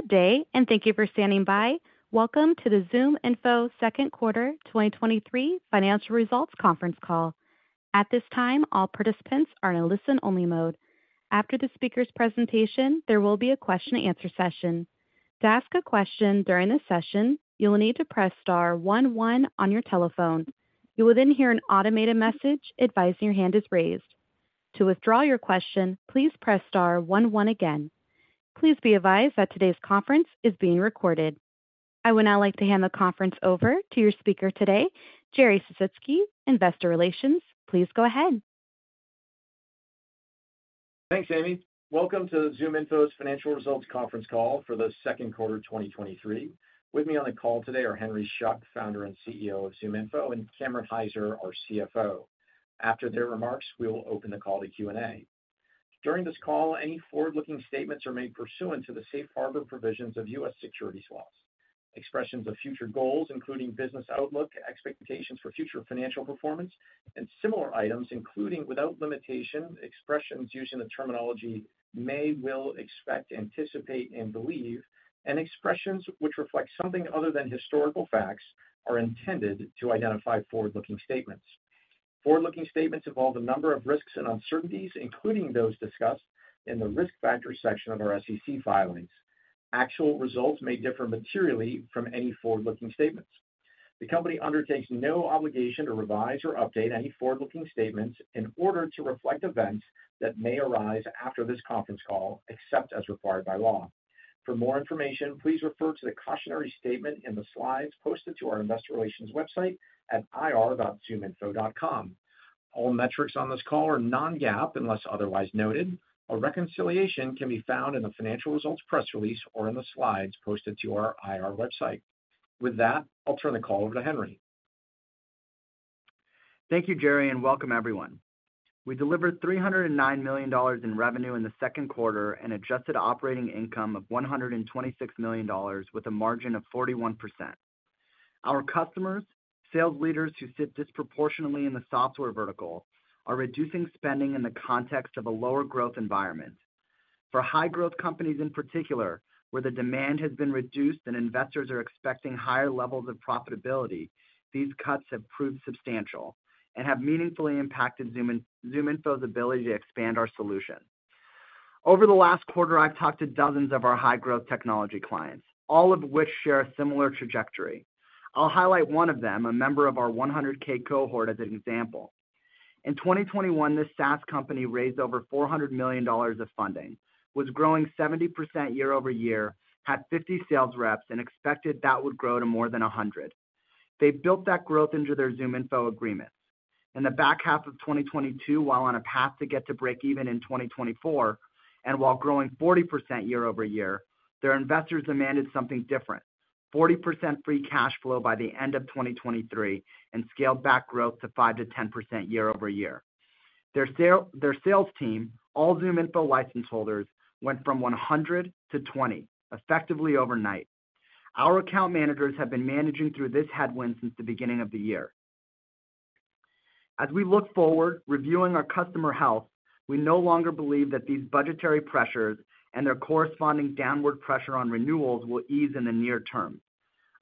Good day, and thank you for standing by. Welcome to the ZoomInfo Second Quarter 2023 Financial Results conference call. At this time, all participants are in a listen-only mode. After the speaker's presentation, there will be a question and answer session. To ask a question during this session, you will need to press star one one on your telephone. You will then hear an automated message advising your hand is raised. To withdraw your question, please press star one one again. Please be advised that today's conference is being recorded. I would now like to hand the conference over to your speaker today, Jerry Sisitsky, Investor Relations. Please go ahead. Thanks, Amy. Welcome to ZoomInfo's Financial Results conference call for the second quarter, 2023. With me on the call today are Henry Schuck, founder and CEO of ZoomInfo, and Cameron Hyzer, our CFO. After their remarks, we will open the call to Q&A. During this call, any forward-looking statements are made pursuant to the safe harbor provisions of U.S. securities laws. Expressions of future goals, including business outlook, expectations for future financial performance, and similar items, including, without limitation, expressions using the terminology may, will, expect, anticipate, and believe, and expressions which reflect something other than historical facts, are intended to identify forward-looking statements. Forward-looking statements involve a number of risks and uncertainties, including those discussed in the Risk Factors section of our SEC filings. Actual results may differ materially from any forward-looking statements. The company undertakes no obligation to revise or update any forward-looking statements in order to reflect events that may arise after this conference call, except as required by law. For more information, please refer to the cautionary statement in the slides posted to our investor relations website at ir.zoominfo.com. All metrics on this call are non-GAAP, unless otherwise noted. A reconciliation can be found in the financial results press release or in the slides posted to our IR website. With that, I'll turn the call over to Henry. Thank you, Jerry, and welcome everyone. We delivered $309 million in revenue in the second quarter and adjusted operating income of $126 million with a margin of 41%. Our customers, sales leaders, to sit disproportionately in the software vertical, are reducing spending in the context of a lower growth environment. For high-growth companies in particular, where the demand has been reduced and investors are expecting higher levels of profitability, these cuts have proved substantial and have meaningfully impacted ZoomInfo's ability to expand our solution. Over the last quarter, I've talked to dozens of our high-growth technology clients, all of which share a similar trajectory. I'll highlight one of them, a member of our 100K cohort, as an example. In 2021, this SaaS company raised over $400 million of funding, was growing 70% year-over-year, had 50 sales reps, and expected that would grow to more than 100. They built that growth into their ZoomInfo agreement. In the back half of 2022, while on a path to get to break even in 2024 and while growing 40% year-over-year, their investors demanded something different: 40% free cash flow by the end of 2023 and scaled back growth to 5%-10% year-over-year. Their sale, their sales team, all ZoomInfo license holders, went from 100 to 20, effectively overnight. Our account managers have been managing through this headwind since the beginning of the year. As we look forward, reviewing our customer health, we no longer believe that these budgetary pressures and their corresponding downward pressure on renewals will ease in the near term.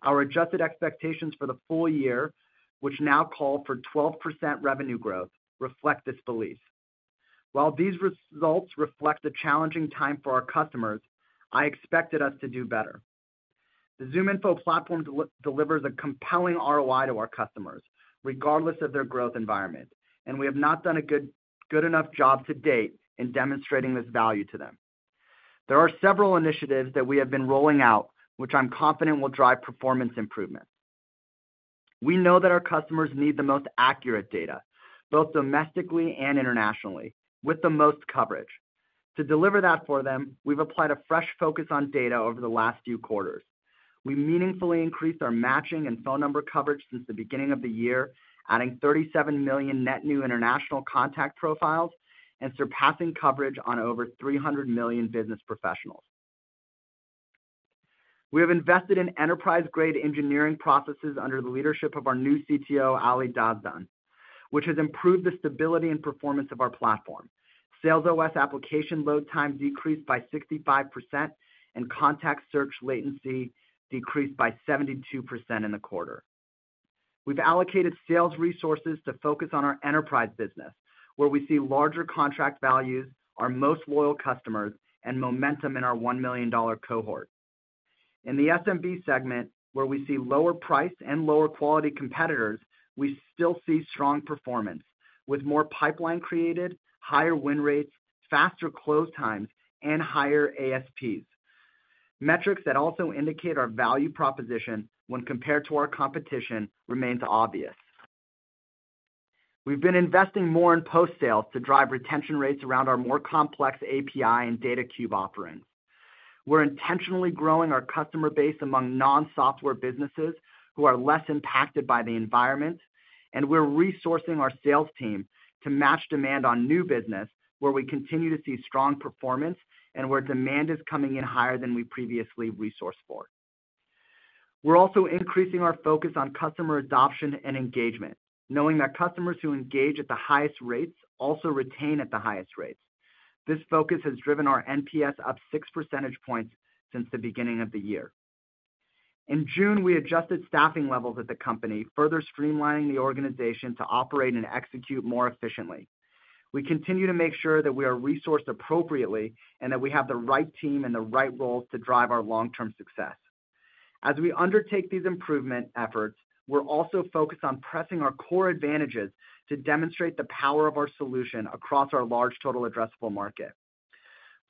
Our adjusted expectations for the full year, which now call for 12% revenue growth, reflect this belief. While these results reflect a challenging time for our customers, I expected us to do better. The ZoomInfo platform delivers a compelling ROI to our customers, regardless of their growth environment, and we have not done a good, good enough job to date in demonstrating this value to them. There are several initiatives that we have been rolling out, which I'm confident will drive performance improvement. We know that our customers need the most accurate data, both domestically and internationally, with the most coverage. To deliver that for them, we've applied a fresh focus on data over the last few quarters. We meaningfully increased our matching and phone number coverage since the beginning of the year, adding 37 million net new international contact profiles and surpassing coverage on over 300 million business professionals. We have invested in enterprise-grade engineering processes under the leadership of our new CTO, Ali Dasdan which has improved the stability and performance of our platform. SalesOS application load time decreased by 65%, and contact search latency decreased by 72% in the quarter. We've allocated sales resources to focus on our enterprise business, where we see larger contract values, our most loyal customers, and momentum in our $1 million cohort. In the SMB segment, where we see lower price and lower quality competitors, we still see strong performance, with more pipeline created, higher win rates, faster close times, and higher ASPs. Metrics that also indicate our value proposition when compared to our competition remains obvious. We've been investing more in post-sales to drive retention rates around our more complex API and Data Cube offerings. We're intentionally growing our customer base among non-software businesses who are less impacted by the environment, and we're resourcing our sales team to match demand on new business, where we continue to see strong performance and where demand is coming in higher than we previously resourced for. We're also increasing our focus on customer adoption and engagement, knowing that customers who engage at the highest rates also retain at the highest rates. This focus has driven our NPS up six percentage points since the beginning of the year. In June, we adjusted staffing levels at the company, further streamlining the organization to operate and execute more efficiently. We continue to make sure that we are resourced appropriately, and that we have the right team and the right roles to drive our long-term success. As we undertake these improvement efforts, we're also focused on pressing our core advantages to demonstrate the power of our solution across our large total addressable market.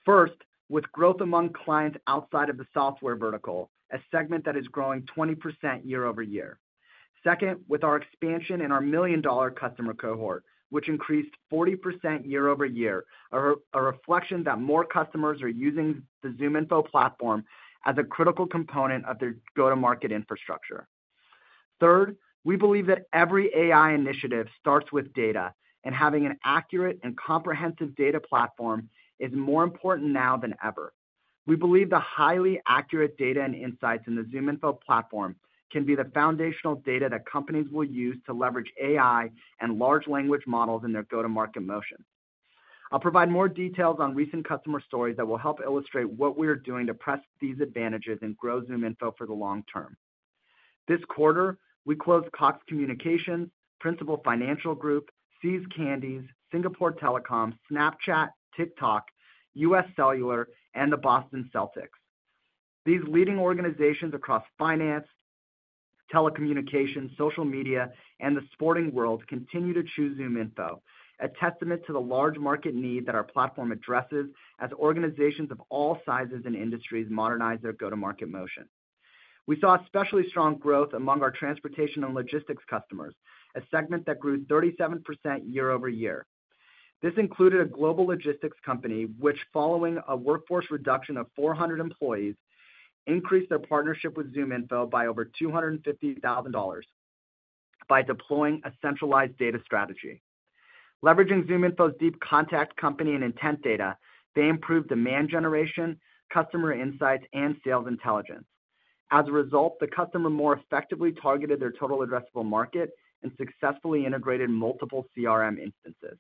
First, with growth among clients outside of the software vertical, a segment that is growing 20% year-over-year. Second, with our expansion in our $1 million customer cohort, which increased 40% year-over-year, a reflection that more customers are using the ZoomInfo platform as a critical component of their go-to-market infrastructure. Third, we believe that every AI initiative starts with data, and having an accurate and comprehensive data platform is more important now than ever. We believe the highly accurate data and insights in the ZoomInfo platform can be the foundational data that companies will use to leverage AI and large language models in their go-to-market motion. I'll provide more details on recent customer stories that will help illustrate what we are doing to press these advantages and grow ZoomInfo for the long term. This quarter, we closed Cox Communications, Principal Financial Group, See's Candies, Singapore Telecom, Snapchat, TikTok, U.S. Cellular, and the Boston Celtics. These leading organizations across finance, telecommunications, social media, and the sporting world continue to choose ZoomInfo, a testament to the large market need that our platform addresses as organizations of all sizes and industries modernize their go-to-market motion. We saw especially strong growth among our transportation and logistics customers, a segment that grew 37% year-over-year. This included a global logistics company, which, following a workforce reduction of 400 employees, increased their partnership with ZoomInfo by over $250,000 by deploying a centralized data strategy. Leveraging ZoomInfo's deep contact, company, and intent data, they improved demand generation, customer insights, and sales intelligence. As a result, the customer more effectively targeted their total addressable market and successfully integrated multiple CRM instances.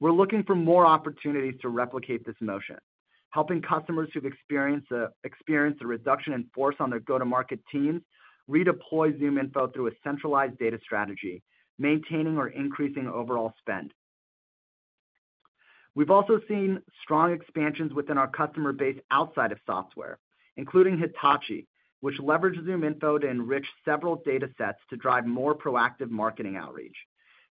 We're looking for more opportunities to replicate this motion, helping customers who've experienced a reduction in force on their go-to-market teams redeploy ZoomInfo through a centralized data strategy, maintaining or increasing overall spend. We've also seen strong expansions within our customer base outside of software, including Hitachi, which leveraged ZoomInfo to enrich several data sets to drive more proactive marketing outreach.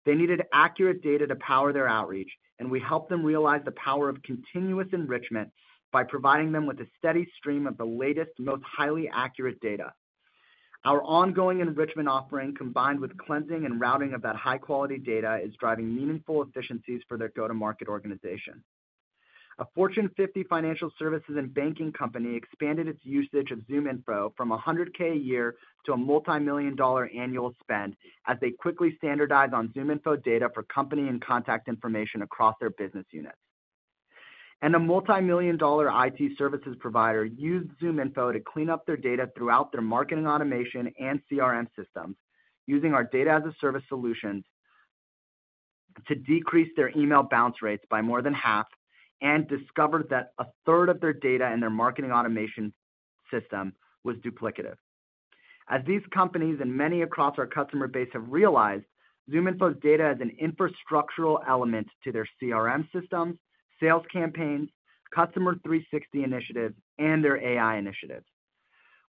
They needed accurate data to power their outreach, and we helped them realize the power of continuous enrichment by providing them with a steady stream of the latest, most highly accurate data. Our ongoing enrichment offering, combined with cleansing and routing of that high-quality data, is driving meaningful efficiencies for their go-to-market organization. A Fortune 50 financial services and banking company expanded its usage of ZoomInfo from $100K a year to a multimillion-dollar annual spend as they quickly standardized on ZoomInfo data for company and contact information across their business units. A multimillion-dollar IT services provider used ZoomInfo to clean up their data throughout their marketing automation and CRM systems, using our Data-as-a-Service solutions to decrease their email bounce rates by more than half and discovered that a third of their data in their marketing automation system was duplicative. As these companies and many across our customer base have realized, ZoomInfo's data is an infrastructural element to their CRM systems, sales campaigns, Customer 360 initiatives, and their AI initiatives.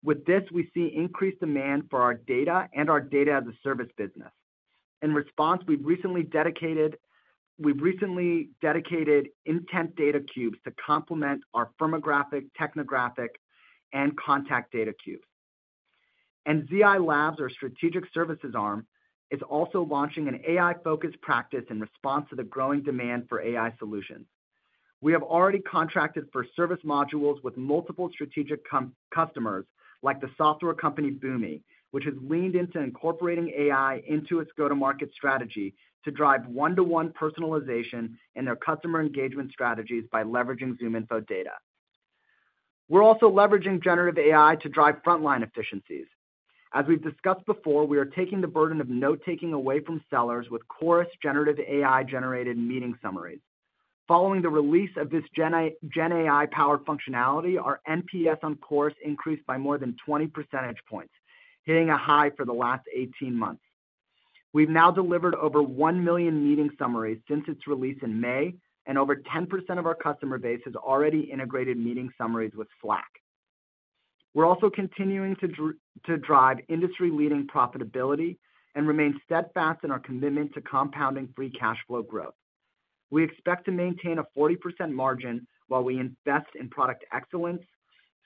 With this, we see increased demand for our data and our Data-as-a-Service business. In response, we've recently dedicated intent Data Cubes to complement our firmographic, technographic, and contact Data Cubes. ZI Labs, our strategic services arm, is also launching an AI-focused practice in response to the growing demand for AI solutions. We have already contracted for service modules with multiple strategic customers, like the software company Boomi, which has leaned into incorporating AI into its go-to-market strategy to drive one-to-one personalization in their customer engagement strategies by leveraging ZoomInfo data. We're also leveraging generative AI to drive frontline efficiencies. As we've discussed before, we are taking the burden of note-taking away from sellers with Chorus generative AI-generated meeting summaries. Following the release of this gen AI-powered functionality, our NPS on Chorus increased by more than 20 percentage points, hitting a high for the last 18 months. We've now delivered over 1 million meeting summaries since its release in May, and over 10% of our customer base has already integrated meeting summaries with Slack. We're also continuing to drive industry-leading profitability and remain steadfast in our commitment to compounding free cash flow growth. We expect to maintain a 40% margin while we invest in product excellence,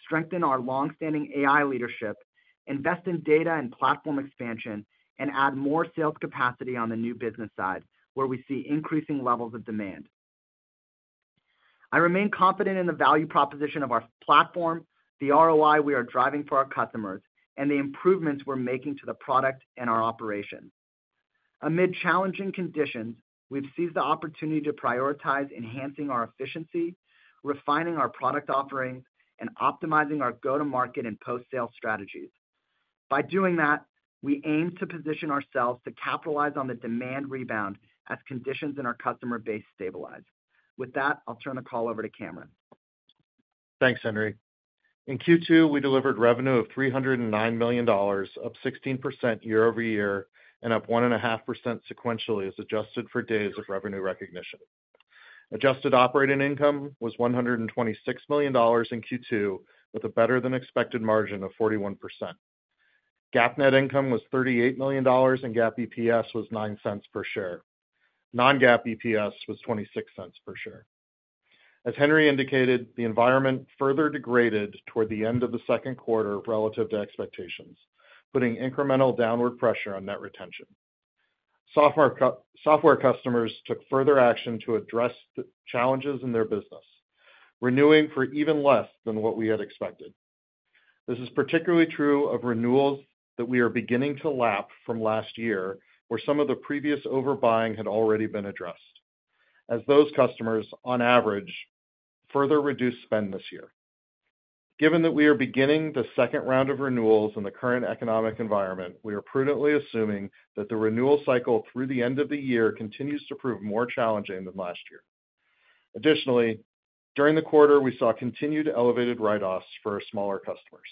strengthen our long-standing AI leadership, invest in data and platform expansion, and add more sales capacity on the new business side, where we see increasing levels of demand. I remain confident in the value proposition of our platform, the ROI we are driving for our customers, and the improvements we're making to the product and our operations. Amid challenging conditions, we've seized the opportunity to prioritize enhancing our efficiency, refining our product offerings, and optimizing our go-to-market and post-sale strategies. By doing that, we aim to position ourselves to capitalize on the demand rebound as conditions in our customer base stabilize. With that, I'll turn the call over to Cameron. Thanks, Henry. In Q2, we delivered revenue of $309 million, up 16% year-over-year, and up 1.5% sequentially, as adjusted for days of revenue recognition. Adjusted operating income was $126 million in Q2, with a better-than-expected margin of 41%. GAAP net income was $38 million, and GAAP EPS was $0.09 per share. Non-GAAP EPS was $0.26 per share. As Henry indicated, the environment further degraded toward the end of the second quarter relative to expectations, putting incremental downward pressure on net retention. Software customers took further action to address the challenges in their business, renewing for even less than what we had expected. This is particularly true of renewals that we are beginning to lap from last year, where some of the previous overbuying had already been addressed, as those customers, on average, further reduced spend this year. Given that we are beginning the second round of renewals in the current economic environment, we are prudently assuming that the renewal cycle through the end of the year continues to prove more challenging than last year. Additionally, during the quarter, we saw continued elevated write-offs for our smaller customers.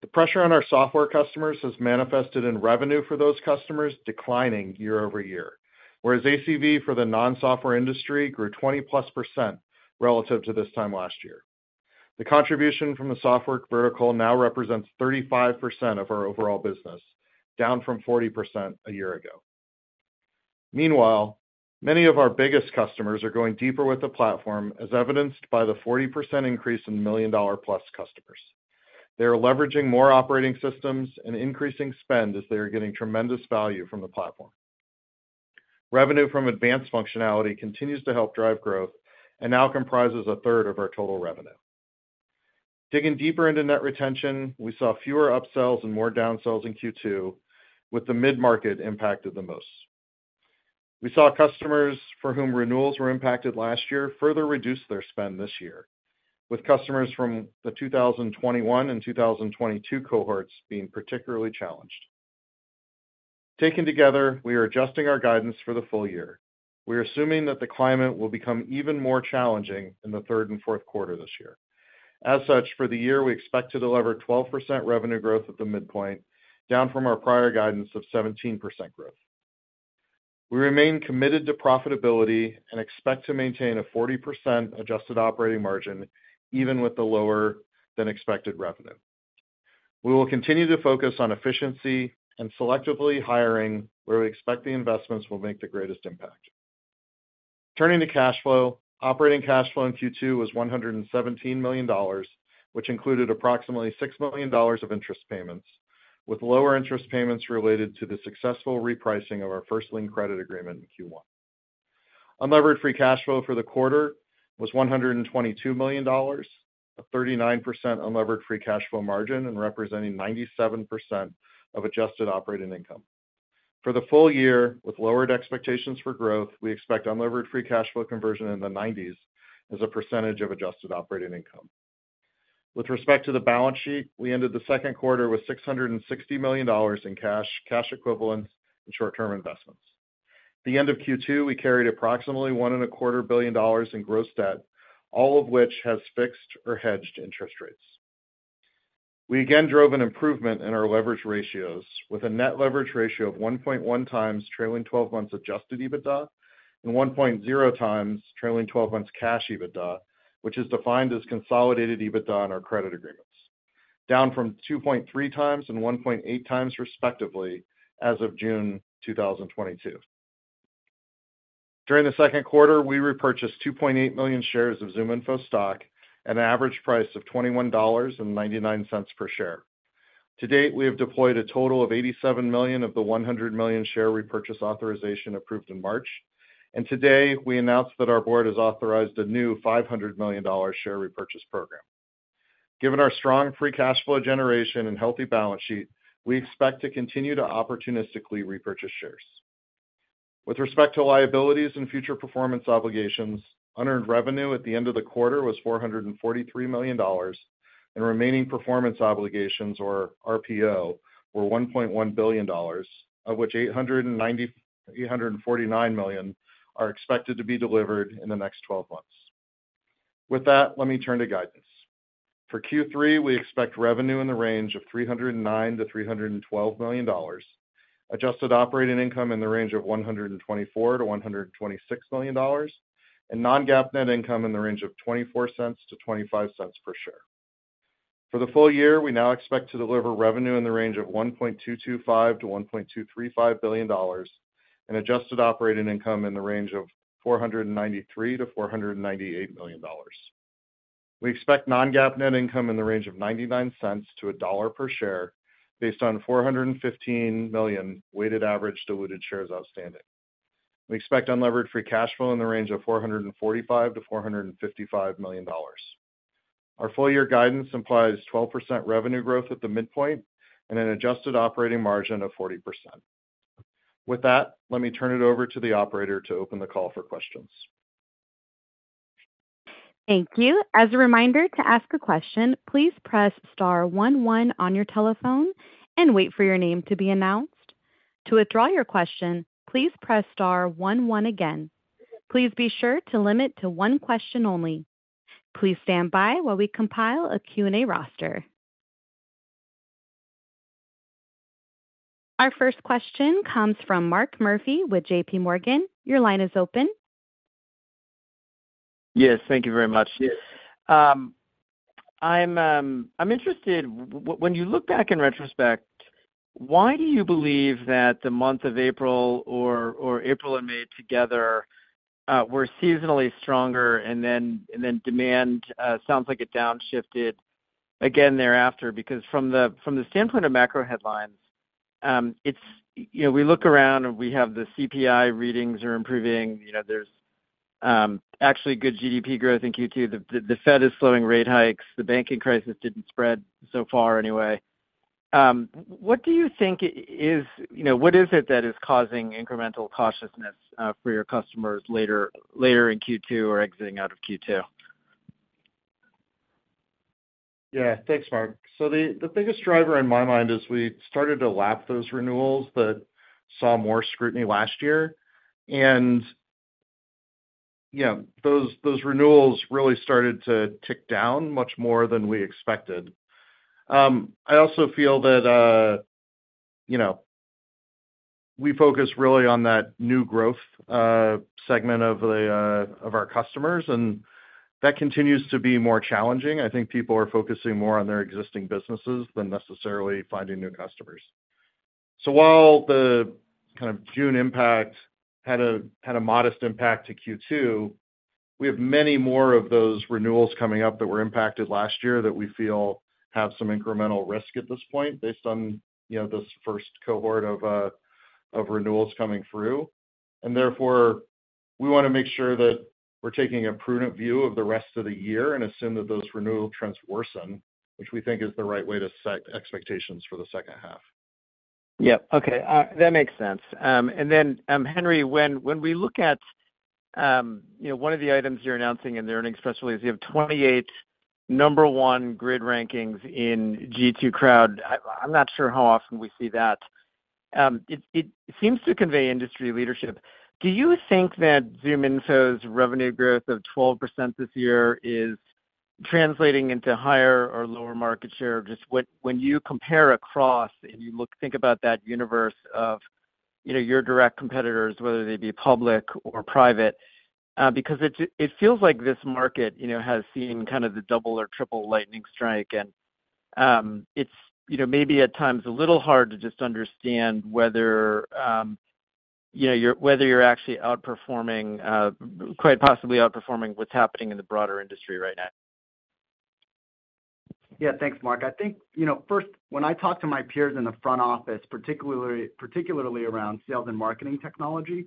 The pressure on our software customers has manifested in revenue for those customers declining year-over-year, whereas ACV for the non-software industry grew 20+% relative to this time last year. The contribution from the software vertical now represents 35% of our overall business, down from 40% a year ago. Meanwhile, many of our biggest customers are going deeper with the platform, as evidenced by the 40% increase in million-dollar-plus customers. They are leveraging more operating systems and increasing spend as they are getting tremendous value from the platform. Revenue from advanced functionality continues to help drive growth and now comprises a third of our total revenue. Digging deeper into net retention, we saw fewer upsells and more downsells in Q2, with the mid-market impacted the most. We saw customers for whom renewals were impacted last year further reduce their spend this year, with customers from the 2021 and 2022 cohorts being particularly challenged. Taken together, we are adjusting our guidance for the full year. We are assuming that the climate will become even more challenging in the third and fourth quarter this year. As such, for the year, we expect to deliver 12% revenue growth at the midpoint, down from our prior guidance of 17% growth. We remain committed to profitability and expect to maintain a 40% adjusted operating margin, even with the lower than expected revenue. We will continue to focus on efficiency and selectively hiring where we expect the investments will make the greatest impact. Turning to cash flow. Operating cash flow in Q2 was $117 million, which included approximately $6 million of interest payments, with lower interest payments related to the successful repricing of our first lien credit agreement in Q1. Unlevered free cash flow for the quarter was $122 million, a 39% unlevered free cash flow margin and representing 97% of adjusted operating income. For the full year, with lowered expectations for growth, we expect unlevered free cash flow conversion in the 90s as a percentage of adjusted operating income. With respect to the balance sheet, we ended the second quarter with $660 million in cash, cash equivalents, and short-term investments. The end of Q2, we carried approximately $1.25 billion in gross debt, all of which has fixed or hedged interest rates. We again drove an improvement in our leverage ratios with a net leverage ratio of 1.1x trailing 12 months adjusted EBITDA and 1.0x trailing 12 months cash EBITDA, which is defined as consolidated EBITDA on our credit agreements, down from 2.3x and 1.8x, respectively, as of June 2022. During the second quarter, we repurchased 2.8 million shares of ZoomInfo stock at an average price of $21.99 per share. To date, we have deployed a total of $87 million of the $100 million share repurchase authorization approved in March, and today we announced that our board has authorized a new $500 million share repurchase program. Given our strong free cash flow generation and healthy balance sheet, we expect to continue to opportunistically repurchase shares. With respect to liabilities and future performance obligations, unearned revenue at the end of the quarter was $443 million, and remaining performance obligations, or RPO, were $1.1 billion, of which $849 million are expected to be delivered in the next 12 months. With that, let me turn to guidance. For Q3, we expect revenue in the range of $309 million-$312 million, adjusted operating income in the range of $124 million-$126 million, and non-GAAP net income in the range of $0.24-$0.25 per share. For the full year, we now expect to deliver revenue in the range of $1.225 billion-$1.235 billion, and adjusted operating income in the range of $493 million-$498 million. We expect non-GAAP net income in the range of $0.99-$1.00 per share, based on 415 million weighted average diluted shares outstanding. We expect unlevered free cash flow in the range of $445 million-$455 million.... Our full year guidance implies 12% revenue growth at the midpoint and an adjusted operating margin of 40%. With that, let me turn it over to the operator to open the call for questions. Thank you. As a reminder, to ask a question, please press star one, one on your telephone and wait for your name to be announced. To withdraw your question, please press star one, one again. Please be sure to limit to one question only. Please stand by while we compile a Q&A roster. Our first question comes from Mark Murphy with JPMorgan. Your line is open. Yes, thank you very much. Yes. I'm interested, when you look back in retrospect, why do you believe that the month of April or, or April and May together were seasonally stronger, and then demand sounds like it downshifted again thereafter? Because from the, from the standpoint of macro headlines, it's you know, we look around and we have the CPI readings are improving. You know, there's actually good GDP growth in Q2. The Fed is slowing rate hikes. The banking crisis didn't spread so far anyway. What do you think is you know, what is it that is causing incremental cautiousness for your customers later in Q2 or exiting out of Q2? Yeah. Thanks, Mark. The biggest driver in my mind is we started to lap those renewals that saw more scrutiny last year. Yeah, those, those renewals really started to tick down much more than we expected. I also feel that, you know, we focus really on that new growth segment of the of our customers, and that continues to be more challenging. I think people are focusing more on their existing businesses than necessarily finding new customers. While the kind of June impact had a, had a modest impact to Q2, we have many more of those renewals coming up that were impacted last year that we feel have some incremental risk at this point, based on, you know, this first cohort of renewals coming through. Therefore, we wanna make sure that we're taking a prudent view of the rest of the year and assume that those renewal trends worsen, which we think is the right way to set expectations for the second half. Yeah. Okay, that makes sense. Then, Henry, when, when we look at, you know, one of the items you're announcing in the earnings special is you have 28 number 1 grid rankings in G2 Crowd. I'm not sure how often we see that. It, it seems to convey industry leadership. Do you think that ZoomInfo's revenue growth of 12% this year is translating into higher or lower market share? Just when, when you compare across and you look, think about that universe of, you know, your direct competitors, whether they be public or private, because it, it feels like this market, you know, has seen kind of the double or triple lightning strike. It's, you know, maybe at times, a little hard to just understand whether, you know, whether you're actually outperforming, quite possibly outperforming what's happening in the broader industry right now. Yeah. Thanks, Mark. I think, you know, first, when I talk to my peers in the front office, particularly, particularly around sales and marketing technology,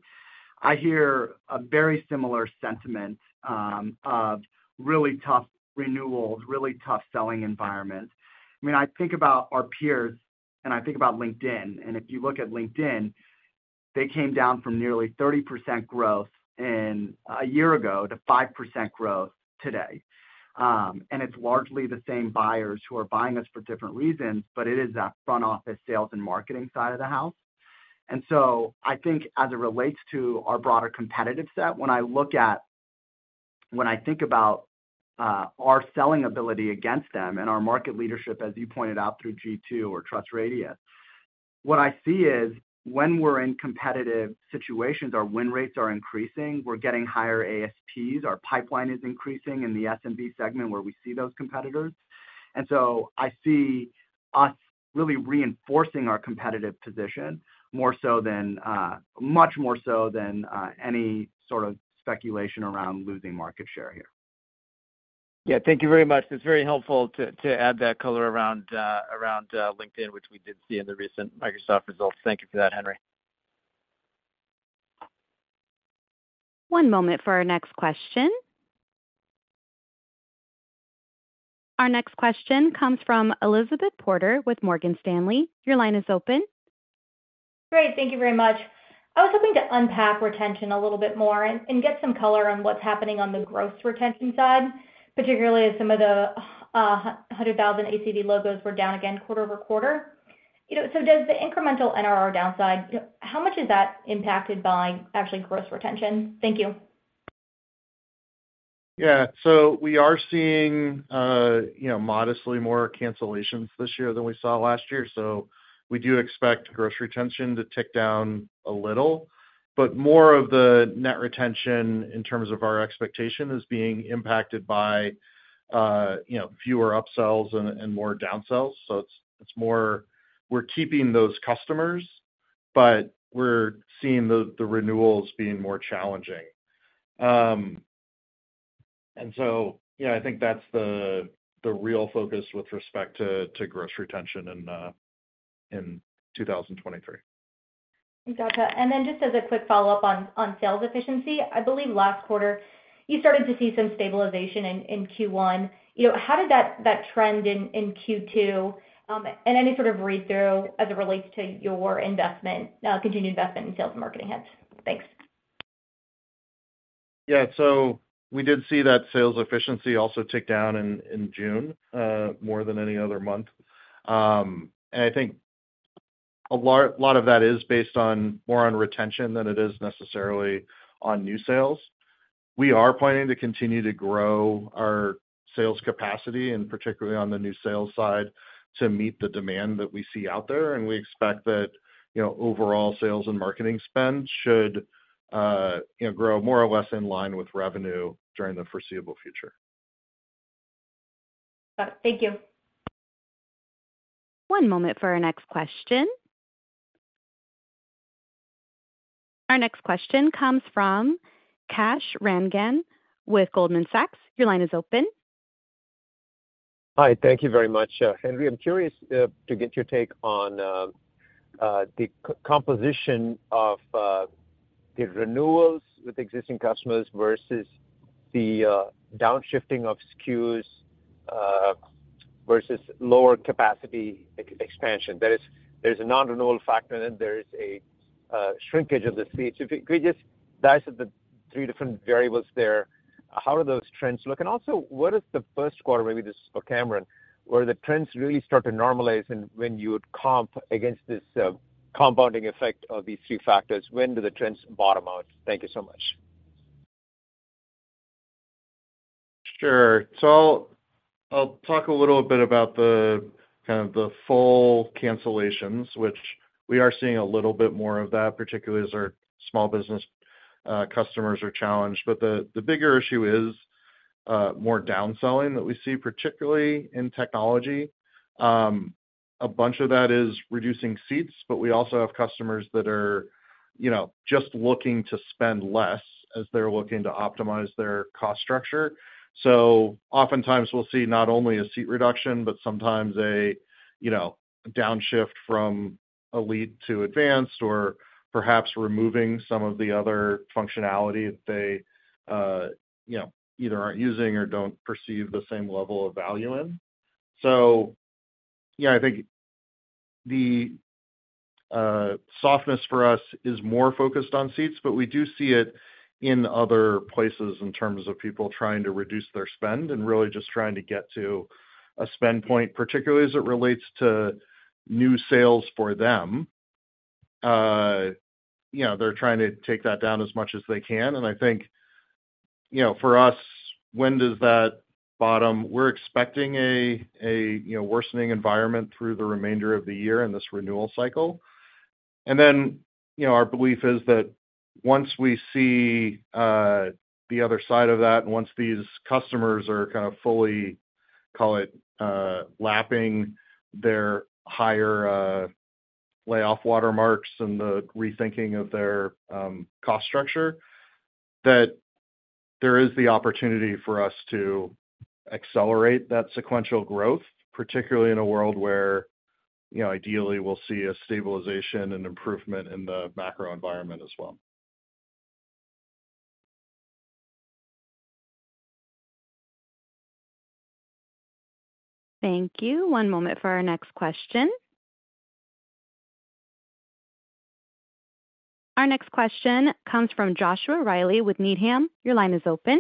I hear a very similar sentiment of really tough renewals, really tough selling environment. I mean, I think about our peers, and I think about LinkedIn, and if you look at LinkedIn, they came down from nearly 30% growth in a year ago to 5% growth today. It's largely the same buyers who are buying us for different reasons, but it is that front office sales and marketing side of the house. I think as it relates to our broader competitive set, when I look at when I think about our selling ability against them and our market leadership, as you pointed out, through G2 or TrustRadius, what I see is when we're in competitive situations, our win rates are increasing, we're getting higher ASPs, our pipeline is increasing in the SMB segment where we see those competitors. I see us really reinforcing our competitive position more so than much more so than any sort of speculation around losing market share here. Yeah. Thank you very much. That's very helpful to, to add that color around, around, LinkedIn, which we did see in the recent Microsoft results. Thank you for that, Henry. One moment for our next question. Our next question comes from Elizabeth Porter with Morgan Stanley. Your line is open. Great. Thank you very much. I was hoping to unpack retention a little bit more and, and get some color on what's happening on the growth retention side, particularly as some of the 100,000 ACD logos were down again quarter-over-quarter. You know, so does the incremental NRR downside, how much is that impacted by actually gross retention? Thank you. Yeah. We are seeing, you know, modestly more cancellations this year than we saw last year, so we do expect gross retention to tick down a little. More of the net retention in terms of our expectation is being impacted by, you know, fewer upsells and, and more downsells. It's, it's more we're keeping those customers, but we're seeing the, the renewals being more challenging. Yeah, I think that's the, the real focus with respect to, to gross retention in 2023.... You got that. Just as a quick follow-up on, on sales efficiency, I believe last quarter, you started to see some stabilization in, in Q1. You know, how did that, that trend in, in Q2, and any sort of read-through as it relates to your investment, continued investment in sales and marketing heads? Thanks. Yeah. We did see that sales efficiency also tick down in, in June, more than any other month. I think a lot of that is based on more on retention than it is necessarily on new sales. We are planning to continue to grow our sales capacity, and particularly on the new sales side, to meet the demand that we see out there. We expect that, you know, overall sales and marketing spend should, you know, grow more or less in line with revenue during the foreseeable future. Got it. Thank you. One moment for our next question. Our next question comes from Kash Rangan with Goldman Sachs. Your line is open. Hi, thank you very much. Henry, I'm curious to get your take on the composition of the renewals with existing customers versus the downshifting of SKUs versus lower capacity expansion. That is, there's a non-renewal factor, and then there is a shrinkage of the seats. If you could just dice up the three different variables there, how do those trends look? Also, what is the first quarter, maybe this is for Cameron, where the trends really start to normalize, and when you would comp against this compounding effect of these three factors, when do the trends bottom out? Thank you so much. Sure. I'll, I'll talk a little bit about the, kind of the full cancellations, which we are seeing a little bit more of that, particularly as our small business customers are challenged. The, the bigger issue is more downselling that we see, particularly in technology. A bunch of that is reducing seats, but we also have customers that are, you know, just looking to spend less as they're looking to optimize their cost structure. Oftentimes we'll see not only a seat reduction, but sometimes a, you know, downshift from a lead to advanced, or perhaps removing some of the other functionality that they, you know, either aren't using or don't perceive the same level of value in. Yeah, thank you. The softness for us is more focused on seats, but we do see it in other places in terms of people trying to reduce their spend and really just trying to get to a spend point, particularly as it relates to new sales for them. You know, they're trying to take that down as much as they can, and I think, you know, for us, when does that bottom? We're expecting a, you know, worsening environment through the remainder of the year in this renewal cycle. Then, you know, our belief is that once we see the other side of that, and once these customers are kind of fully, call it, lapping their higher, layoff watermarks and the rethinking of their cost structure, that there is the opportunity for us to accelerate that sequential growth, particularly in a world where, you know, ideally we'll see a stabilization and improvement in the macro environment as well. Thank you. One moment for our next question. Our next question comes from Joshua Reilly with Needham. Your line is open.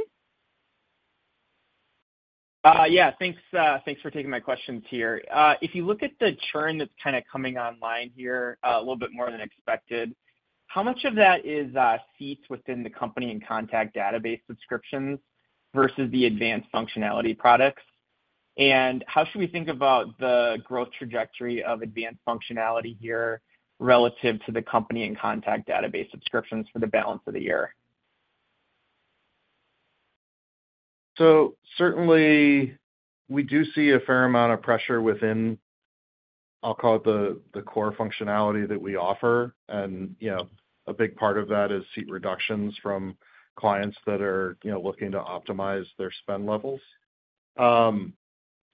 Yeah, thanks, thanks for taking my questions here. If you look at the churn that's kind of coming online here, a little bit more than expected, how much of that is seats within the company and contact database subscriptions versus the advanced functionality products? How should we think about the growth trajectory of advanced functionality here relative to the company and contact database subscriptions for the balance of the year? Certainly we do see a fair amount of pressure within, I'll call it, the core functionality that we offer. You know, a big part of that is seat reductions from clients that are, you know, looking to optimize their spend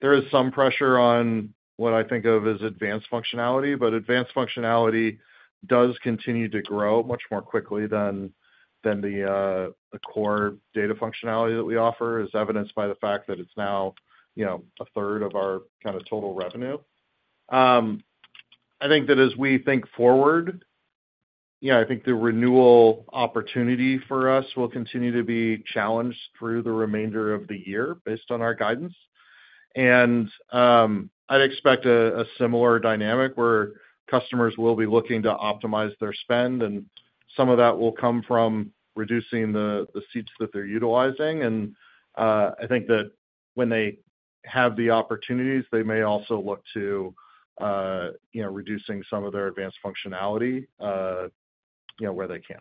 levels. There is some pressure on what I think of as advanced functionality, but advanced functionality does continue to grow much more quickly than the core data functionality that we offer, as evidenced by the fact that it's now, you know, a third of our kind of total revenue. I think that as we think forward, I think the renewal opportunity for us will continue to be challenged through the remainder of the year based on our guidance. I'd expect a, a similar dynamic where customers will be looking to optimize their spend, and some of that will come from reducing the, the seats that they're utilizing. I think that when they have the opportunities, they may also look to, you know, reducing some of their advanced functionality, you know, where they can.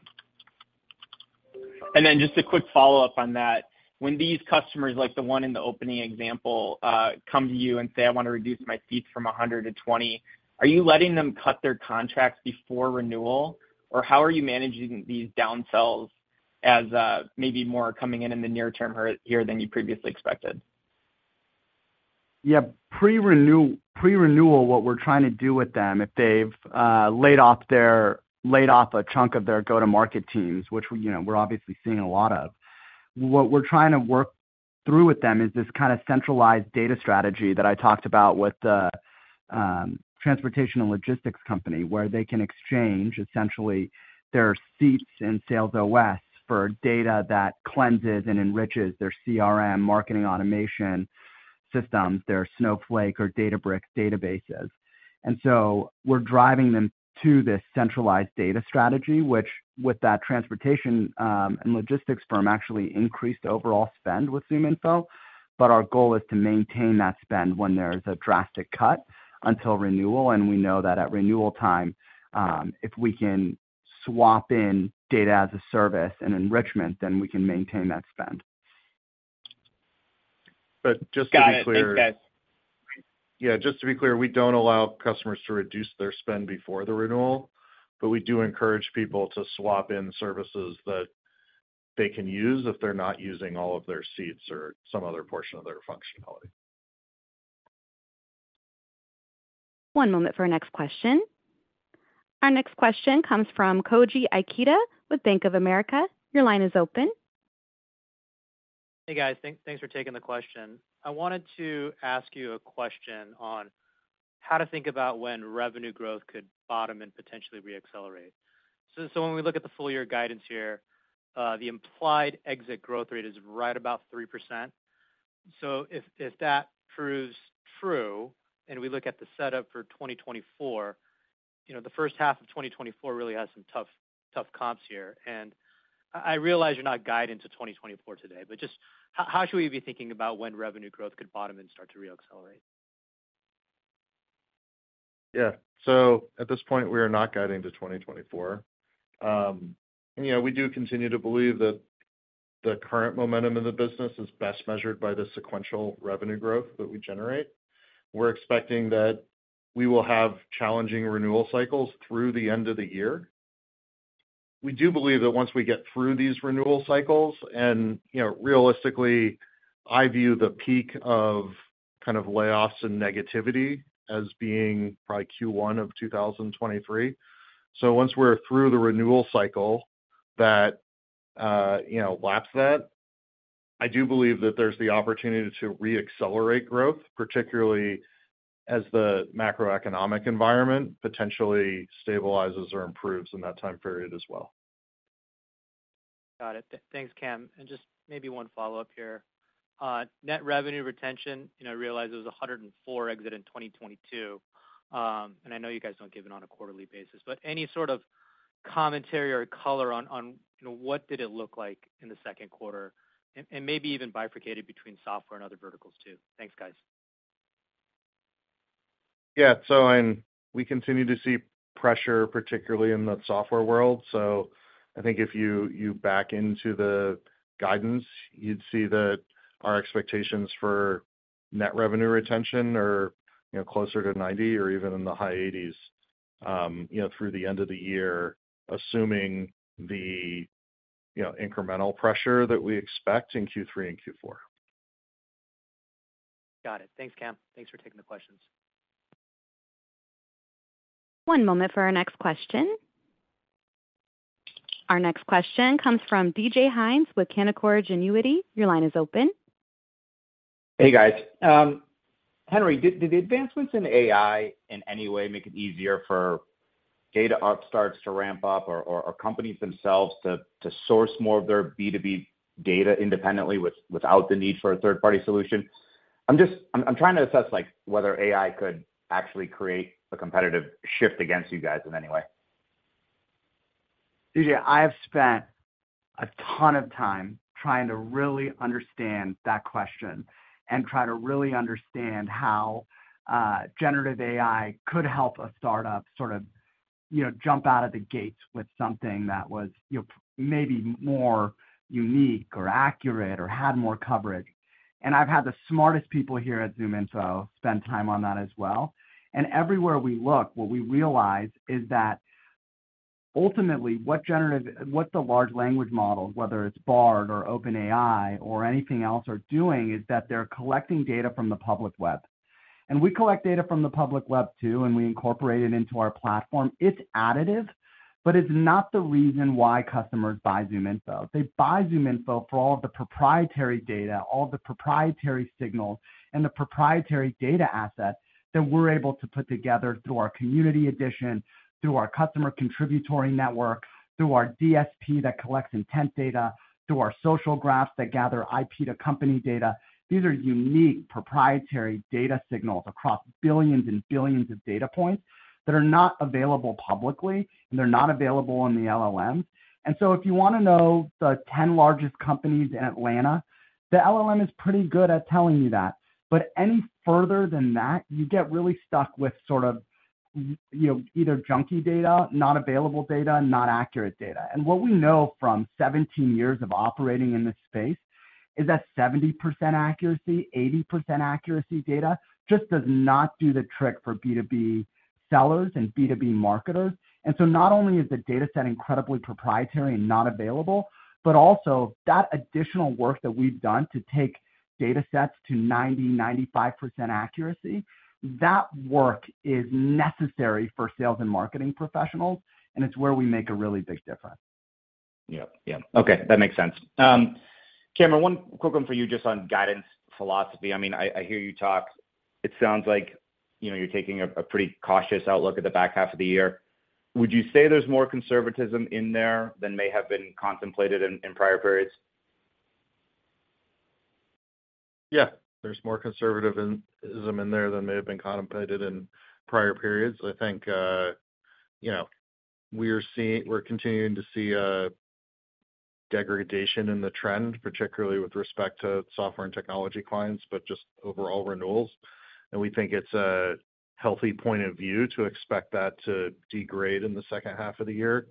Just a quick follow-up on that. When these customers, like the one in the opening example, come to you and say, "I want to reduce my seats from 100 to 20," are you letting them cut their contracts before renewal? Or how are you managing these downsells as, maybe more coming in in the near term here than you previously expected? Yeah, pre-renew, pre-renewal, what we're trying to do with them, if they've laid off their laid off a chunk of their go-to-market teams, which, you know, we're obviously seeing a lot of, what we're trying to work through with them is this kind of centralized data strategy that I talked about with the transportation and logistics company, where they can exchange essentially their seats in SalesOS for data that cleanses and enriches their CRM marketing automation systems, their Snowflake or Databricks databases. So we're driving them to this centralized data strategy, which, with that transportation and logistics firm, actually increased overall spend with ZoomInfo. Our goal is to maintain that spend when there is a drastic cut until renewal, and we know that at renewal time, if we can swap in data as a service and enrichment, then we can maintain that spend. Yeah, just to be clear, we don't allow customers to reduce their spend before the renewal, but we do encourage people to swap in services that they can use if they're not using all of their seats or some other portion of their functionality. One moment for our next question. Our next question comes from Koji Ikeda with Bank of America. Your line is open. Hey, guys. Thank, thanks for taking the question. I wanted to ask you a question on how to think about when revenue growth could bottom and potentially re-accelerate. When we look at the full year guidance here, the implied exit growth rate is right about 3%. If that proves true, and we look at the setup for 2024, you know, the first half of 2024 really has some tough, tough comps here. I realize you're not guiding to 2024 today, just how should we be thinking about when revenue growth could bottom and start to re-accelerate? Yeah. At this point, we are not guiding to 2024. Yeah, we do continue to believe that the current momentum in the business is best measured by the sequential revenue growth that we generate. We're expecting that we will have challenging renewal cycles through the end of the year. We do believe that once we get through these renewal cycles and, you know, realistically, I view the peak of kind of layoffs and negativity as being probably Q1 of 2023. Once we're through the renewal cycle that, you know, laps that, I do believe that there's the opportunity to re-accelerate growth, particularly as the macroeconomic environment potentially stabilizes or improves in that time period as well. Got it. Thanks, Cam. Just maybe 1 follow-up here. Net revenue retention, and I realize it was a 104 exit in 2022, and I know you guys don't give it on a quarterly basis, but any sort of commentary or color on, on, you know, what did it look like in the second quarter, and, and maybe even bifurcated between software and other verticals too? Thanks, guys. Yeah, we continue to see pressure, particularly in the software world. I think if you back into the guidance, you'd see that our expectations for net revenue retention are, you know, closer to 90 or even in the high 80s, you know, through the end of the year, assuming the, you know, incremental pressure that we expect in Q3 and Q4. Got it. Thanks, Cam. Thanks for taking the questions. One moment for our next question. Our next question comes from DJ Hynes with Canaccord Genuity. Your line is open. Hey, guys. Henry, did, did the advancements in AI in any way, make it easier for data upstarts to ramp up or, or, or companies themselves to, to source more of their B2B data independently with- without the need for a third-party solution? I'm trying to assess, like, whether AI could actually create a competitive shift against you guys in any way. DJ, I have spent a ton of time trying to really understand that question and try to really understand how generative AI could help a startup sort of, you know, jump out of the gates with something that was, you know, maybe more unique or accurate or had more coverage. I've had the smartest people here at ZoomInfo spend time on that as well. Everywhere we look, what we realize is that ultimately, what generative what the large language model, whether it's Bard or OpenAI or anything else, are doing, is that they're collecting data from the public web. We collect data from the public web, too, and we incorporate it into our platform. It's additive, but it's not the reason why customers buy ZoomInfo. They buy ZoomInfo for all of the proprietary data, all the proprietary signals, and the proprietary data assets that we're able to put together through our Community Edition, through our customer contributory network, through our DSP that collects intent data, through our social graphs that gather IP to company data. These are unique proprietary data signals across billions and billions of data points that are not available publicly, and they're not available on the LLM. If you want to know the 10 largest companies in Atlanta, the LLM is pretty good at telling you that. Any further than that, you get really stuck with sort of, you know, either junky data, not available data, not accurate data. What we know from 17 years of operating in this space is that 70% accuracy, 80% accuracy data just does not do the trick for B2B sellers and B2B marketers. Not only is the data set incredibly proprietary and not available, but also that additional work that we've done to take data sets to 90%, 95% accuracy, that work is necessary for sales and marketing professionals, and it's where we make a really big difference. Yep. Yeah. Okay, that makes sense. Cameron, one quick one for you, just on guidance philosophy. I mean, I, I hear you talk, it sounds like, you know, you're taking a pretty cautious outlook at the back half of the year. Would you say there's more conservatism in there than may have been contemplated in prior periods? Yeah, there's more conservatism in there than may have been contemplated in prior periods. I think, you know, we are seeing we're continuing to see a degradation in the trend, particularly with respect to software and technology clients, but just overall renewals. And we think it's a healthy point of view to expect that to degrade in the second half of the year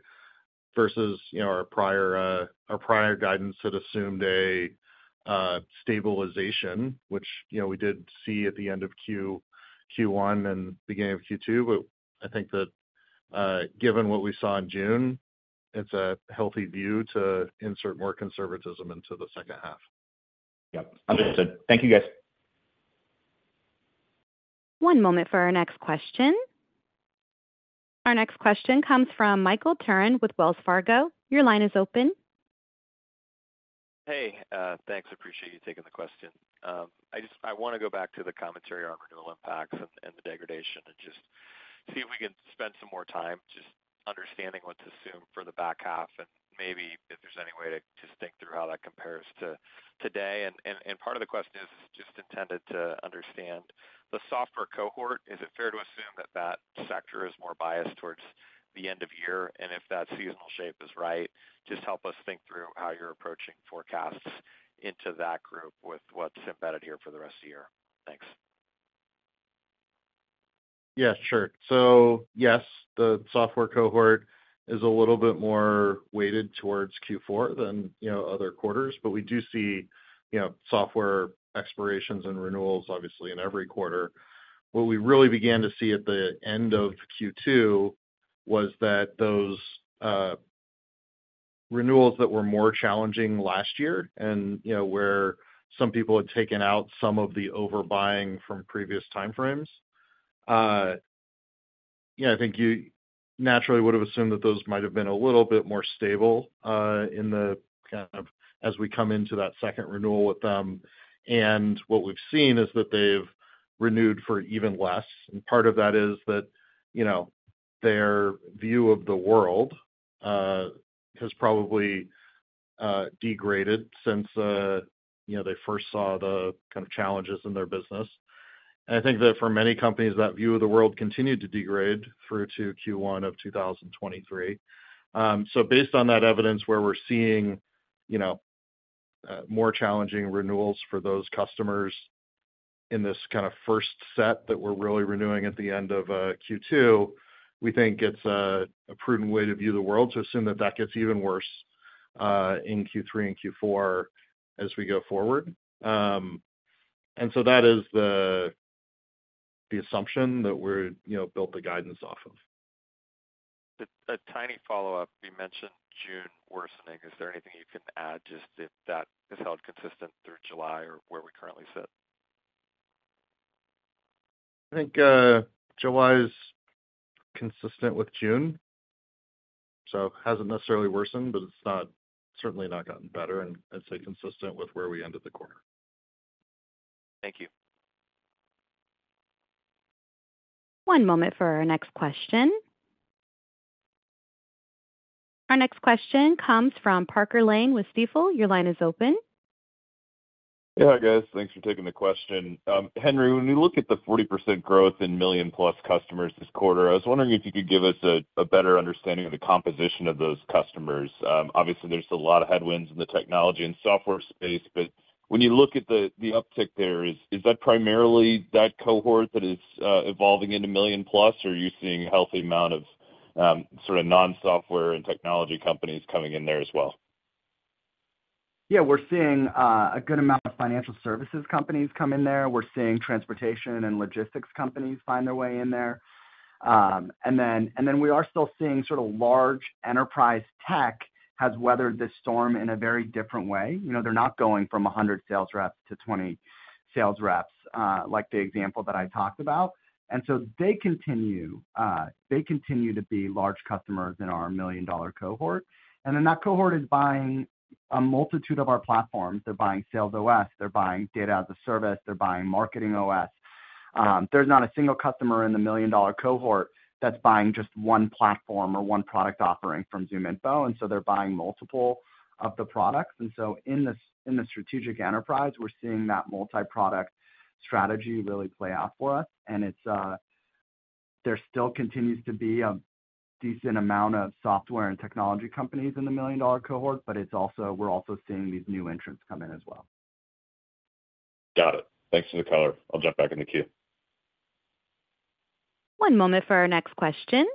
versus, you know, our prior, our prior guidance that assumed a stabilization, which, you know, we did see at the end of Q1 and beginning of Q2. But I think that, given what we saw in June, it's a healthy view to insert more conservatism into the second half. Yep, understood. Thank you, guys. One moment for our next question. Our next question comes from Michael Turrin with Wells Fargo. Your line is open. Hey, thanks. I appreciate you taking the question. I just want to go back to the commentary on renewal impacts and the degradation and just see if we can spend some more time just understanding what to assume for the back half, and maybe if there's any way to think through how that compares to today. Part of the question is just intended to understand the software cohort. Is it fair to assume that that sector is more biased towards the end of year? If that seasonal shape is right, just help us think through how you're approaching forecasts into that group with what's embedded here for the rest of the year. Thanks. Yeah, sure. Yes, the software cohort is a little bit more weighted towards Q4 than, you know, other quarters, but we do see, you know, software expirations and renewals, obviously, in every quarter. What we really began to see at the end of Q2 was that those renewals that were more challenging last year and, you know, where some people had taken out some of the overbuying from previous time frames. Yeah, I think you naturally would have assumed that those might have been a little bit more stable in the kind of, as we come into that second renewal with them. What we've seen is that they've renewed for even less, and part of that is that, you know, their view of the world has probably degraded since, you know, they first saw the kind of challenges in their business. I think that for many companies, that view of the world continued to degrade through to Q1 of 2023. Based on that evidence, where we're seeing, you know, more challenging renewals for those customers in this kind of first set that we're really renewing at the end of Q2, we think it's a prudent way to view the world, to assume that that gets even worse in Q3 and Q4 as we go forward. That is the assumption that we're, you know, built the guidance off of. A tiny follow-up. You mentioned June worsening. Is there anything you can add, just if that is held consistent through July or where we currently sit? I think July is consistent with June, so hasn't necessarily worsened, but it's not certainly not gotten better, and I'd say consistent with where we ended the quarter. Thank you. One moment for our next question. Our next question comes from Parker Lane with Stifel. Your line is open. Yeah, hi, guys. Thanks for taking the question. Henry, when we look at the 40% growth in million-plus customers this quarter, I was wondering if you could give us a better understanding of the composition of those customers. Obviously, there's a lot of headwinds in the technology and software space, when you look at the uptick there, is that primarily that cohort that is evolving into million plus, or are you seeing a healthy amount of sort of non-software and technology companies coming in there as well? Yeah, we're seeing a good amount of financial services companies come in there. We're seeing transportation and logistics companies find their way in there. Then, and then we are still seeing sort of large enterprise tech has weathered this storm in a very different way. You know, they're not going from 100 sales reps to 20 sales reps, like the example that I talked about. They continue, they continue to be large customers in our million-dollar cohort. Then that cohort is buying a multitude of our platforms. They're buying SalesOS, they're buying Data-as-a-Service, they're buying MarketingOS. There's not a single customer in the million-dollar cohort that's buying just one platform or one product offering from ZoomInfo, and so they're buying multiple of the products. In the strategic enterprise, we're seeing that multi-product strategy really play out for us. It's there still continues to be a decent amount of software and technology companies in the million-dollar cohort, we're also seeing these new entrants come in as well. Got it. Thanks for the color. I'll jump back in the queue. One moment for our next question.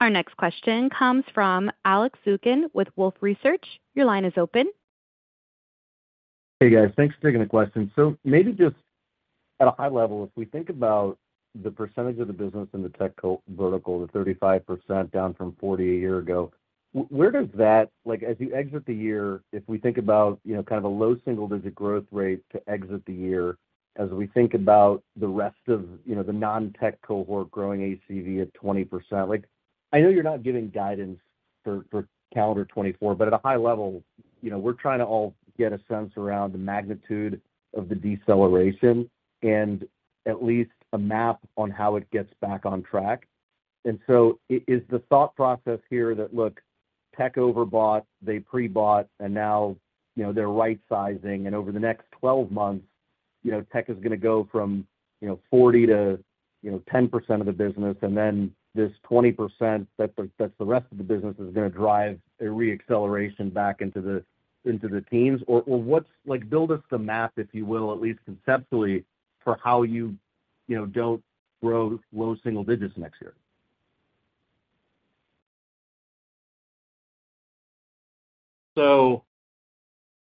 Our next question comes from Alex Zukin with Wolfe Research. Your line is open. Hey, guys, thanks for taking the question. Maybe just at a high level, if we think about the percentage of the business in the tech co- vertical, the 35% down from 40 a year ago, where does that, like, as you exit the year, if we think about, you know, kind of a low single digit growth rate to exit the year, as we think about the rest of, you know, the non-tech cohort growing ACV at 20%, like, I know you're not giving guidance-... for, for calendar 2024. At a high level, you know, we're trying to all get a sense around the magnitude of the deceleration and at least a map on how it gets back on track. Is the thought process here that, look, tech overbought, they pre-bought, and now, you know, they're right-sizing, and over the next 12 months, you know, tech is gonna go from, you know, 40 to, you know, 10% of the business, and then this 20% that the- that's the rest of the business, is gonna drive a re-acceleration back into the, into the teens? What's, like, build us the map, if you will, at least conceptually, for how you, you know, don't grow low single digits next year.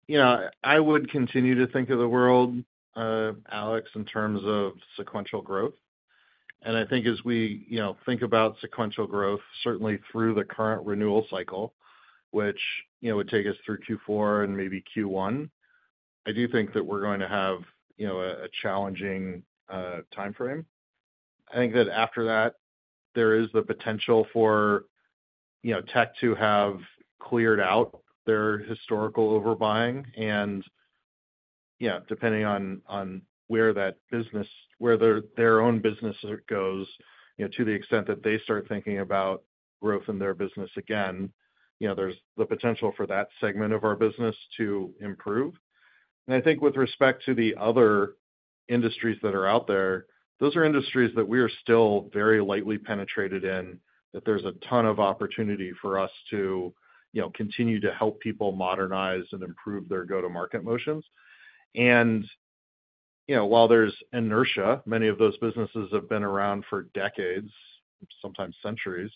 You know, I would continue to think of the world, Alex, in terms of sequential growth. I think as we, you know, think about sequential growth, certainly through the current renewal cycle, which, you know, would take us through Q4 and maybe Q1, I do think that we're going to have, you know, a, a challenging timeframe. I think that after that, there is the potential for, you know, tech to have cleared out their historical overbuying. Yeah, depending on, on where that business- where their, their own business goes, you know, to the extent that they start thinking about growth in their business again, you know, there's the potential for that segment of our business to improve. I think with respect to the other industries that are out there, those are industries that we are still very lightly penetrated in, that there's a ton of opportunity for us to, you know, continue to help people modernize and improve their go-to-market motions. You know, while there's inertia, many of those businesses have been around for decades, sometimes centuries,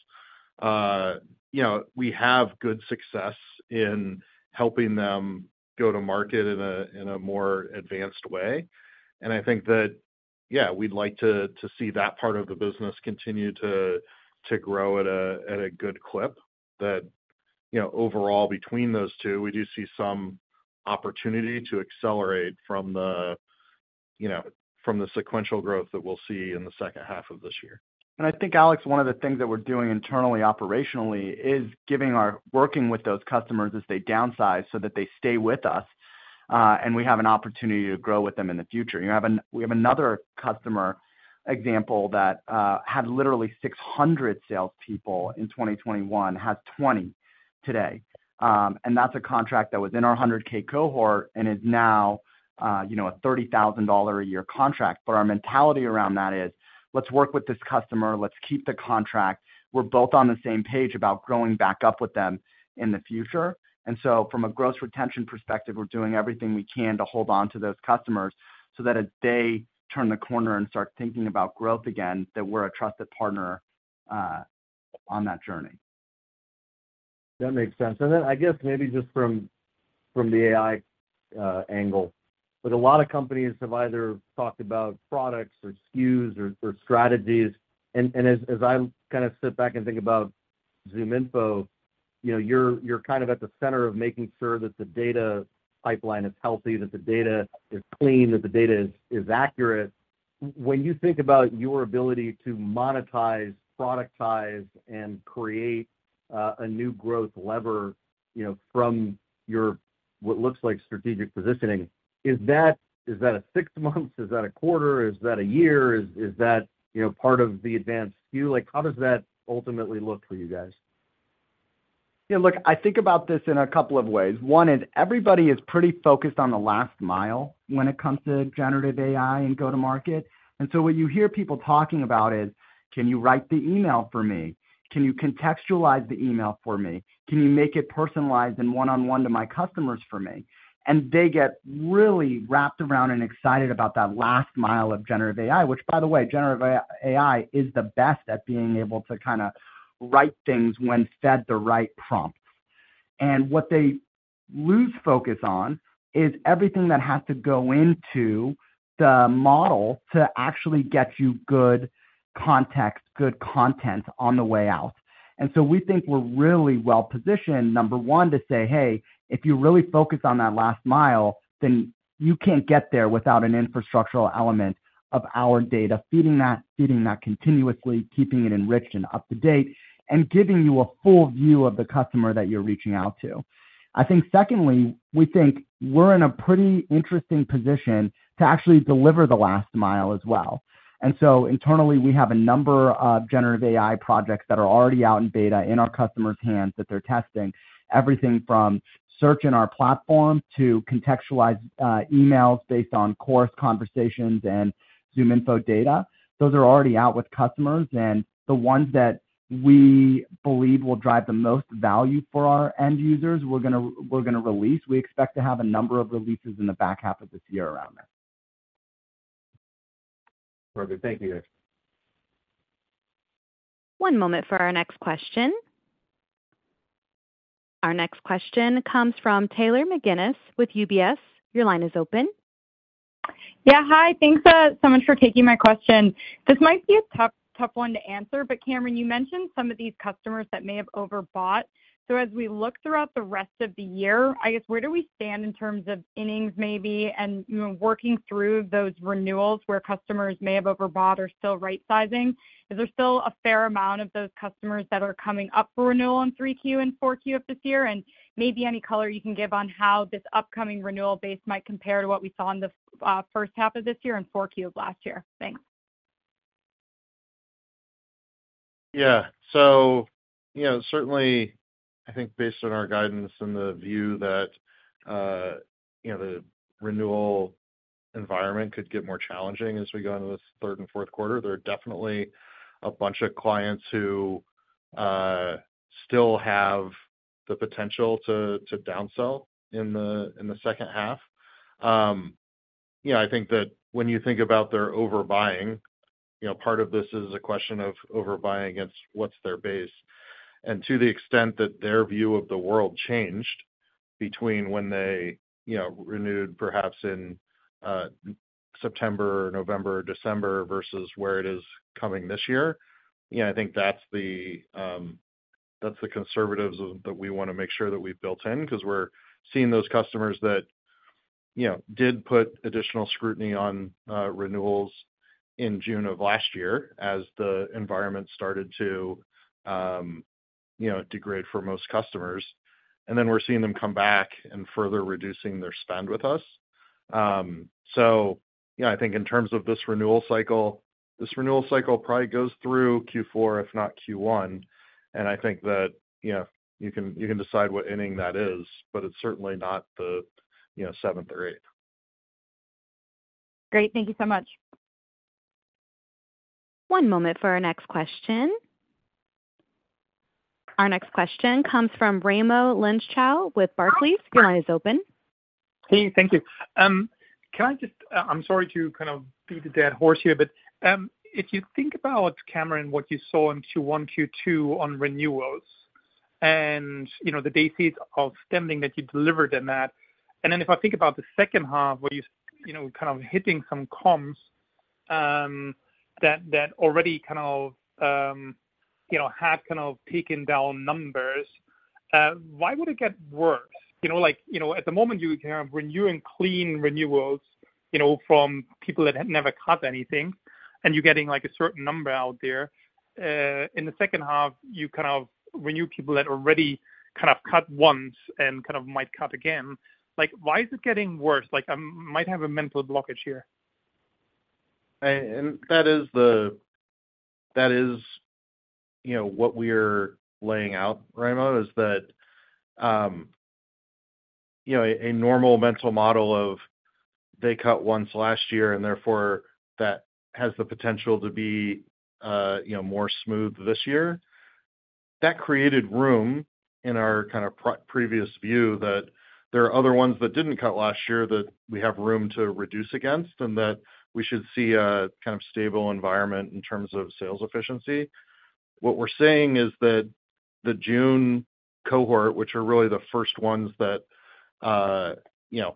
you know, we have good success in helping them go to market in a, in a more advanced way. I think that, yeah, we'd like to, to see that part of the business continue to, to grow at a, at a good clip, that, you know, overall, between those two, we do see some opportunity to accelerate from the, you know, from the sequential growth that we'll see in the second half of this year. I think, Alex, one of the things that we're doing internally, operationally, is working with those customers as they downsize so that they stay with us, and we have an opportunity to grow with them in the future. We have another customer example that had literally 600 salespeople in 2021, has 20 today. That's a contract that was in our 100K cohort and is now, you know, a $30,000 a year contract. Our mentality around that is, let's work with this customer, let's keep the contract. We're both on the same page about growing back up with them in the future. From a gross retention perspective, we're doing everything we can to hold on to those customers so that as they turn the corner and start thinking about growth again, that we're a trusted partner on that journey. That makes sense. Then I guess maybe just from, from the AI angle, but a lot of companies have either talked about products or SKUs or strategies. As I kind of sit back and think about ZoomInfo, you know, you're kind of at the center of making sure that the data pipeline is healthy, that the data is clean, that the data is accurate. When you think about your ability to monetize, productize, and create a new growth lever, you know, from your, what looks like strategic positioning, is that a six months? Is that a quarter? Is that a year? Is that, you know, part of the advanced SKU? Like, how does that ultimately look for you guys? Yeah, look, I think about this in a couple of ways. One is everybody is pretty focused on the last mile when it comes to generative AI and go-to-market. So when you hear people talking about it, "Can you write the email for me? Can you contextualize the email for me? Can you make it personalized and one-on-one to my customers for me?" They get really wrapped around and excited about that last mile of generative AI, which, by the way, generative AI, AI is the best at being able to kinda write things when fed the right prompts. What they lose focus on is everything that has to go into the model to actually get you good context, good content on the way out. We think we're really well positioned, number one, to say, "Hey, if you really focus on that last mile, then you can't get there without an infrastructural element of our data, feeding that, feeding that continuously, keeping it enriched and up-to-date, and giving you a full view of the customer that you're reaching out to." I think secondly, we think we're in a pretty interesting position to actually deliver the last mile as well. Internally, we have a number of generative AI projects that are already out in beta in our customers' hands, that they're testing. Everything from search in our platform to contextualized emails based on Chorus conversations and ZoomInfo data. Those are already out with customers, and the ones that we believe will drive the most value for our end users, we're gonna, we're gonna release. We expect to have a number of releases in the back half of this year around that. Perfect. Thank you, guys. One moment for our next question. Our next question comes from Taylor McGinnis with UBS. Your line is open.... Yeah, hi. Thanks, so much for taking my question. This might be a tough, tough one to answer, but Cameron, you mentioned some of these customers that may have overbought. As we look throughout the rest of the year, I guess, where do we stand in terms of innings, maybe, and, you know, working through those renewals where customers may have overbought or still rightsizing? Is there still a fair amount of those customers that are coming up for renewal in 3Q and 4Q of this year? Maybe any color you can give on how this upcoming renewal base might compare to what we saw in the first half of this year and 4Q of last year? Thanks. Yeah. You know, certainly, I think based on our guidance and the view that, you know, the renewal environment could get more challenging as we go into this third and fourth quarter, there are definitely a bunch of clients who still have the potential to, to downsell in the, in the second half. Yeah, I think that when you think about their overbuying, you know, part of this is a question of overbuying against what's their base. To the extent that their view of the world changed between when they, you know, renewed perhaps in September, November, December, versus where it is coming this year, yeah, I think that's the, that's the conservatives that we want to make sure that we've built in, because we're seeing those customers that, you know, did put additional scrutiny on renewals in June of last year as the environment started to, you know, degrade for most customers. Then we're seeing them come back and further reducing their spend with us. Yeah, I think in terms of this renewal cycle, this renewal cycle probably goes through Q4, if not Q1, and I think that, you know, you can, you can decide what inning that is, but it's certainly not the, you know, seventh or eighth. Great, thank you so much. One moment for our next question. Our next question comes from Raimo Lenschow with Barclays. Your line is open. Hey, thank you. I'm sorry to kind of beat a dead horse here, if you think about, Cameron, what you saw in Q1, Q2 on renewals and, you know, the day fees of spending that you delivered in that. Then if I think about the second half, where you, you know, kind of hitting some comps, that, that already kind of, you know, had kind of peaking down numbers, why would it get worse? You know, like, you know, at the moment, you are renewing clean renewals, you know, from people that had never cut anything, and you're getting, like, a certain number out there. In the second half, you kind of renew people that already kind of cut once and kind of might cut again. Like, why is it getting worse? Like, I might have a mental blockage here. That is that is, you know, what we're laying out, Raimo, is that, you know, a normal mental model of they cut once last year, and therefore that has the potential to be, you know, more smooth this year. That created room in our kind of pre-previous view, that there are other ones that didn't cut last year that we have room to reduce against, and that we should see a kind of stable environment in terms of sales efficiency. What we're saying is that the June cohort, which are really the first ones that, you know,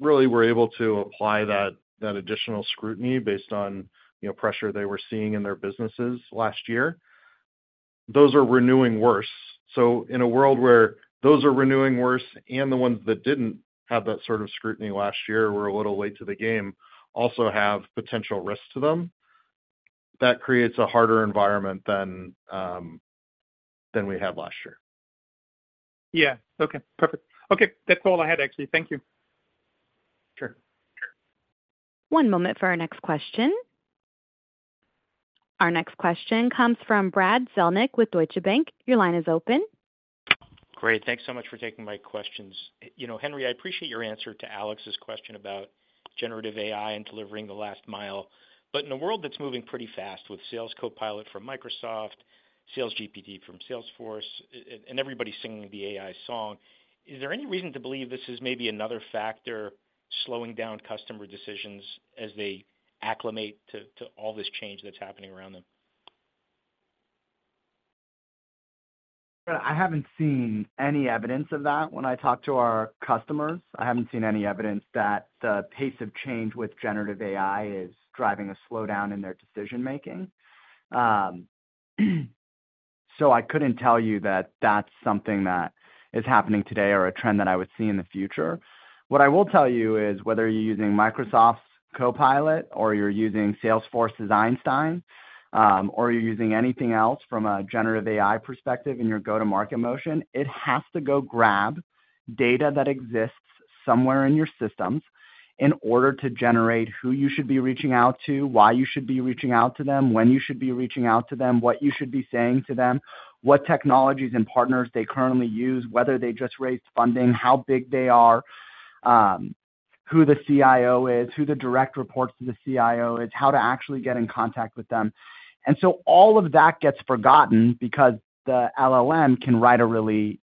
really were able to apply that, that additional scrutiny based on, you know, pressure they were seeing in their businesses last year, those are renewing worse. In a world where those are renewing worse and the ones that didn't have that sort of scrutiny last year, were a little late to the game, also have potential risks to them, that creates a harder environment than, than we had last year. Yeah. Okay, perfect. Okay, that's all I had, actually. Thank you. Sure. Sure. One moment for our next question. Our next question comes from Brad Zelnick with Deutsche Bank. Your line is open. Great. Thanks so much for taking my questions. You know, Henry, I appreciate your answer to Alex's question about generative AI and delivering the last mile. In a world that's moving pretty fast with Sales Copilot from Microsoft, Sales GPT from Salesforce, and everybody singing the AI song, is there any reason to believe this is maybe another factor slowing down customer decisions as they acclimate to all this change that's happening around them? I haven't seen any evidence of that. When I talk to our customers, I haven't seen any evidence that the pace of change with generative AI is driving a slowdown in their decision making. I couldn't tell you that that's something that is happening today or a trend that I would see in the future. What I will tell you is, whether you're using Microsoft's Copilot or you're using Salesforce's Einstein, or you're using anything else from a generative AI perspective in your go-to-market motion, it has to go grab data that exists somewhere in your systems in order to generate who you should be reaching out to, why you should be reaching out to them, when you should be reaching out to them, what you should be saying to them, what technologies and partners they currently use, whether they just raised funding, how big they are, who the CIO is, who the direct reports to the CIO is, how to actually get in contact with them. So all of that gets forgotten because the LLM can write a really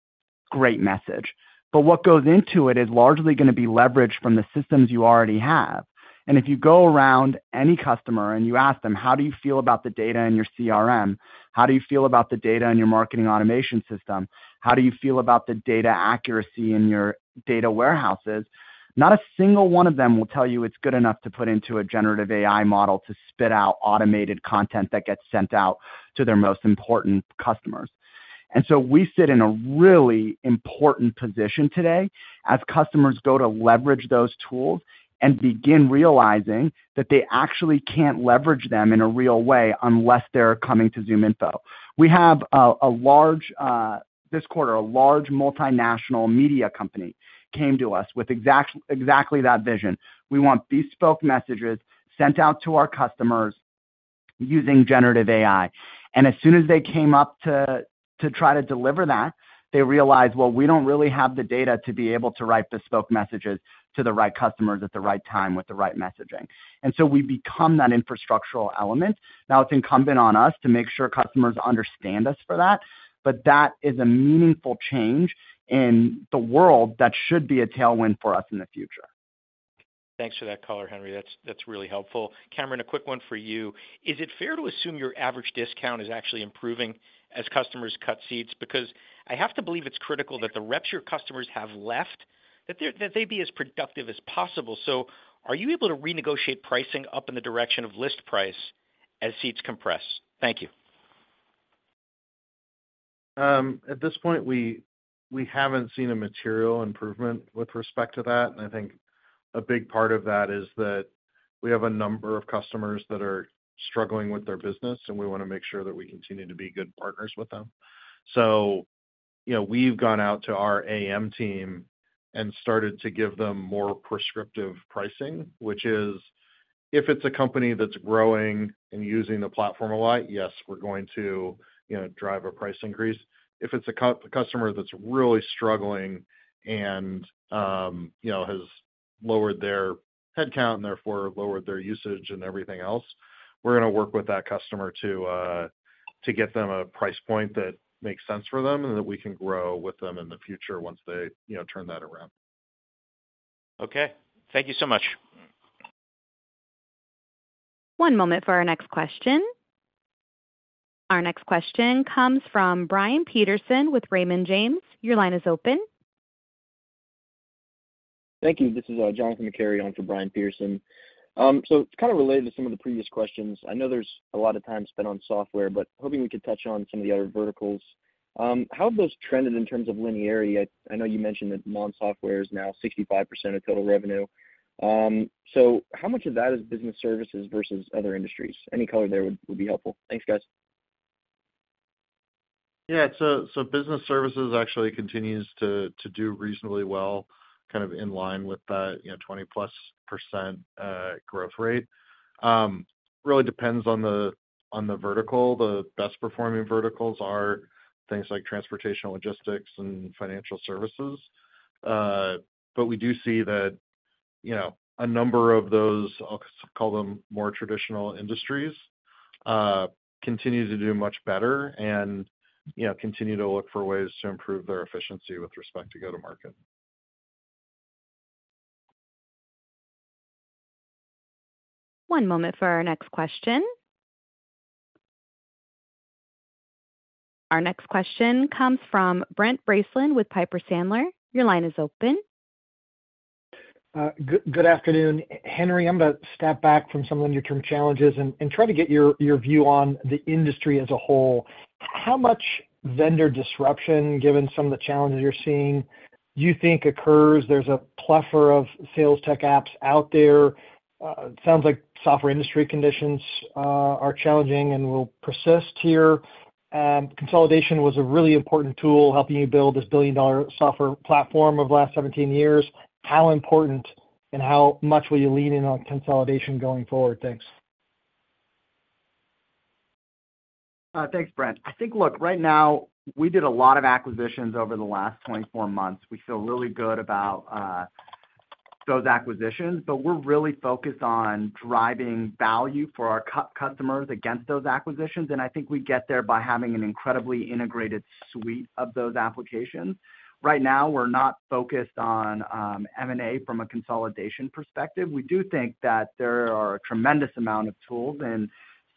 great message. But what goes into it is largely going to be leveraged from the systems you already have. If you go around any customer and you ask them, How do you feel about the data in your CRM? How do you feel about the data in your marketing automation system? How do you feel about the data accuracy in your data warehouses? Not a single one of them will tell you it's good enough to put into a generative AI model to spit out automated content that gets sent out to their most important customers. We sit in a really important position today as customers go to leverage those tools and begin realizing that they actually can't leverage them in a real way unless they're coming to ZoomInfo. We have a large this quarter, a large multinational media company came to us with exactly that vision. We want bespoke messages sent out to our customers using generative AI. As soon as they came up to try to deliver that, they realized, well, we don't really have the data to be able to write bespoke messages to the right customers at the right time with the right messaging. We become that infrastructural element. Now, it's incumbent on us to make sure customers understand us for that, but that is a meaningful change in the world that should be a tailwind for us in the future. Thanks for that color, Henry. That's, that's really helpful. Cameron, a quick one for you. Is it fair to assume your average discount is actually improving as customers cut seats? Because I have to believe it's critical that the reps your customers have left, that they, they be as productive as possible. Are you able to renegotiate pricing up in the direction of list price as seats compress? Thank you. At this point, we, we haven't seen a material improvement with respect to that. I think a big part of that is that we have a number of customers that are struggling with their business, and we want to make sure that we continue to be good partners with them. You know, we've gone out to our AM team and started to give them more prescriptive pricing, which is, if it's a company that's growing and using the platform a lot, yes, we're going to, you know, drive a price increase. If it's a customer that's really struggling and, you know, has lowered their headcount and therefore lowered their usage and everything else, we're going to work with that customer to get them a price point that makes sense for them and that we can grow with them in the future once they, you know, turn that around. Okay. Thank you so much. One moment for our next question. Our next question comes from Brian Peterson with Raymond James. Your line is open. Thank you. This is Jonathan McCarty on for Brian Peterson. It's kind of related to some of the previous questions. I know there's a lot of time spent on software, but hoping we could touch on some of the other verticals. How have those trended in terms of linearity? I know you mentioned that non-software is now 65% of total revenue. How much of that is business services versus other industries? Any color there would, would be helpful. Thanks, guys. Yeah, so, so business services actually continues to, to do reasonably well, kind of in line with that, you know, 20+% growth rate. Really depends on the, on the vertical. The best-performing verticals are things like transportation, logistics, and financial services. But we do see that, you know, a number of those, I'll call them more traditional industries, continue to do much better and, you know, continue to look for ways to improve their efficiency with respect to go-to-market. One moment for our next question. Our next question comes from Brent Bracelin with Piper Sandler. Your line is open. Good, good afternoon. Henry, I'm going to step back from some of the near-term challenges and, and try to get your, your view on the industry as a whole. How much vendor disruption, given some of the challenges you're seeing, do you think occurs? There's a plethora of sales tech apps out there. Sounds like software industry conditions are challenging and will persist here. Consolidation was a really important tool helping you build this billion-dollar software platform over the last 17 years. How important and how much will you lean in on consolidation going forward? Thanks. Thanks, Brent. I think, look, right now, we did a lot of acquisitions over the last 24 months.. We feel really good about those acquisitions, but we're really focused on driving value for our customers against those acquisitions. I think we get there by having an incredibly integrated suite of those applications. Right now, we're not focused on M&A from a consolidation perspective. We do think that there are a tremendous amount of tools in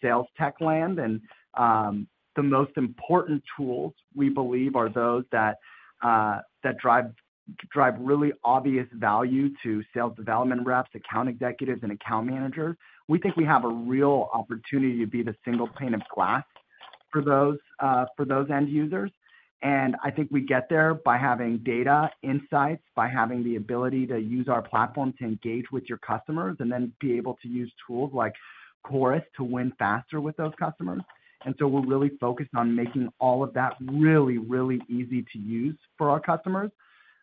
sales tech land, and the most important tools, we believe, are those that drive, drive really obvious value to sales development reps, account executives, and account managers. We think we have a real opportunity to be the single pane of glass for those for those end users. I think we get there by having data insights, by having the ability to use our platform to engage with your customers, and then be able to use tools like Chorus to win faster with those customers. We're really focused on making all of that really, really easy to use for our customers.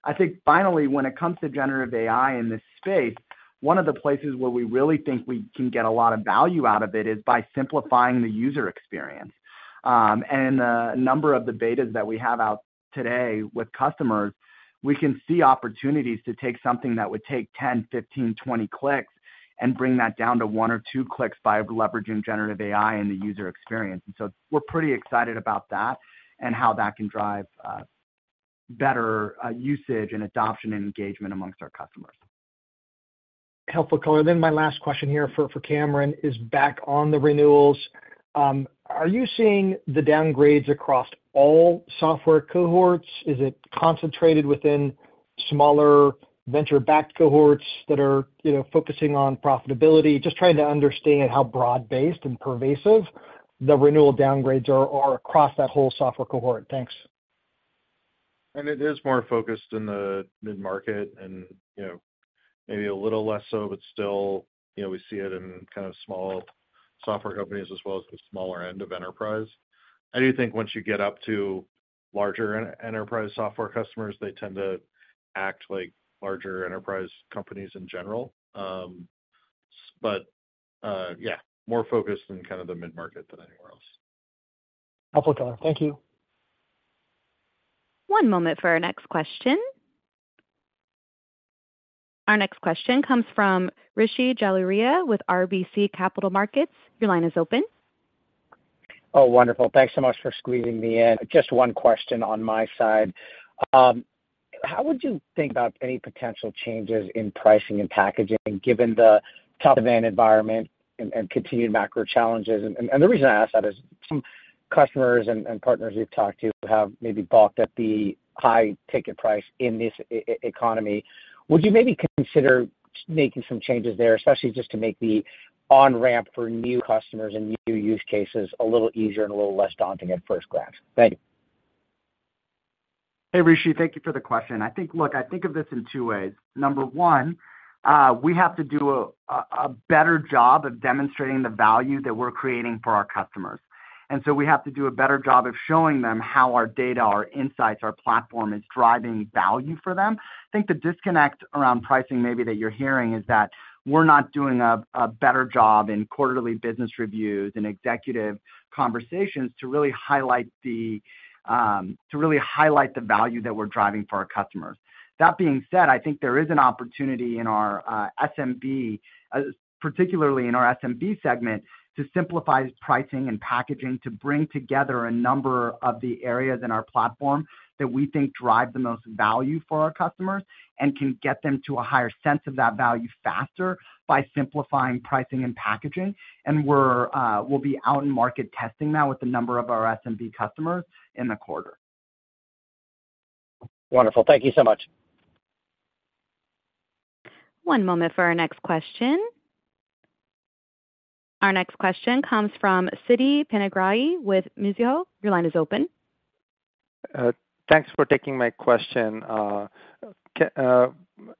I think finally, when it comes to generative AI in this space, one of the places where we really think we can get a lot of value out of it is by simplifying the user experience. A number of the betas that we have out today with customers, we can see opportunities to take something that would take 10, 15, 20 clicks and bring that down to one or two clicks by leveraging generative AI and the user experience. We're pretty excited about that and how that can drive better usage and adoption and engagement amongst our customers. Helpful color. My last question here for Cameron is back on the renewals. Are you seeing the downgrades across all software cohorts? Is it concentrated within smaller venture-backed cohorts that are, you know, focusing on profitability? Just trying to understand how broad-based and pervasive the renewal downgrades are across that whole software cohort. Thanks. It is more focused in the mid-market and, you know, maybe a little less so, but still, you know, we see it in kind of small software companies as well as the smaller end of enterprise. I do think once you get up to larger enterprise software customers, they tend to act like larger enterprise companies in general. Yeah, more focused in kind of the mid-market than anywhere else. Helpful color. Thank you. One moment for our next question. Our next question comes from Rishi Jaluria with RBC Capital Markets. Your line is open. Oh, wonderful. Thanks so much for squeezing me in. Just one question on my side. How would you think about any potential changes in pricing and packaging, given the tough demand environment and, and continued macro challenges? The reason I ask that is some customers and, and partners we've talked to have maybe balked at the high ticket price in this economy. Would you maybe consider making some changes there, especially just to make the on-ramp for new customers and new use cases a little easier and a little less daunting at first glance? Thank you. Hey, Rishi. Thank you for the question. I think look, I think of this in two ways. Number one, we have to do a better job of demonstrating the value that we're creating for our customers, and so we have to do a better job of showing them how our data, our insights, our platform is driving value for them. I think the disconnect around pricing maybe that you're hearing, is that we're not doing a better job in quarterly business reviews and executive conversations to really highlight the to really highlight the value that we're driving for our customers. That being said, I think there is an opportunity in our SMB, particularly in our SMB segment, to simplify pricing and packaging, to bring together a number of the areas in our platform that we think drive the most value for our customers, and can get them to a higher sense of that value faster by simplifying pricing and packaging. We're, we'll be out in market testing that with a number of our SMB customers in the quarter. Wonderful. Thank you so much. One moment for our next question. Our next question comes from Siddhi Panigrahi with Mizuho. Your line is open. Thanks for taking my question.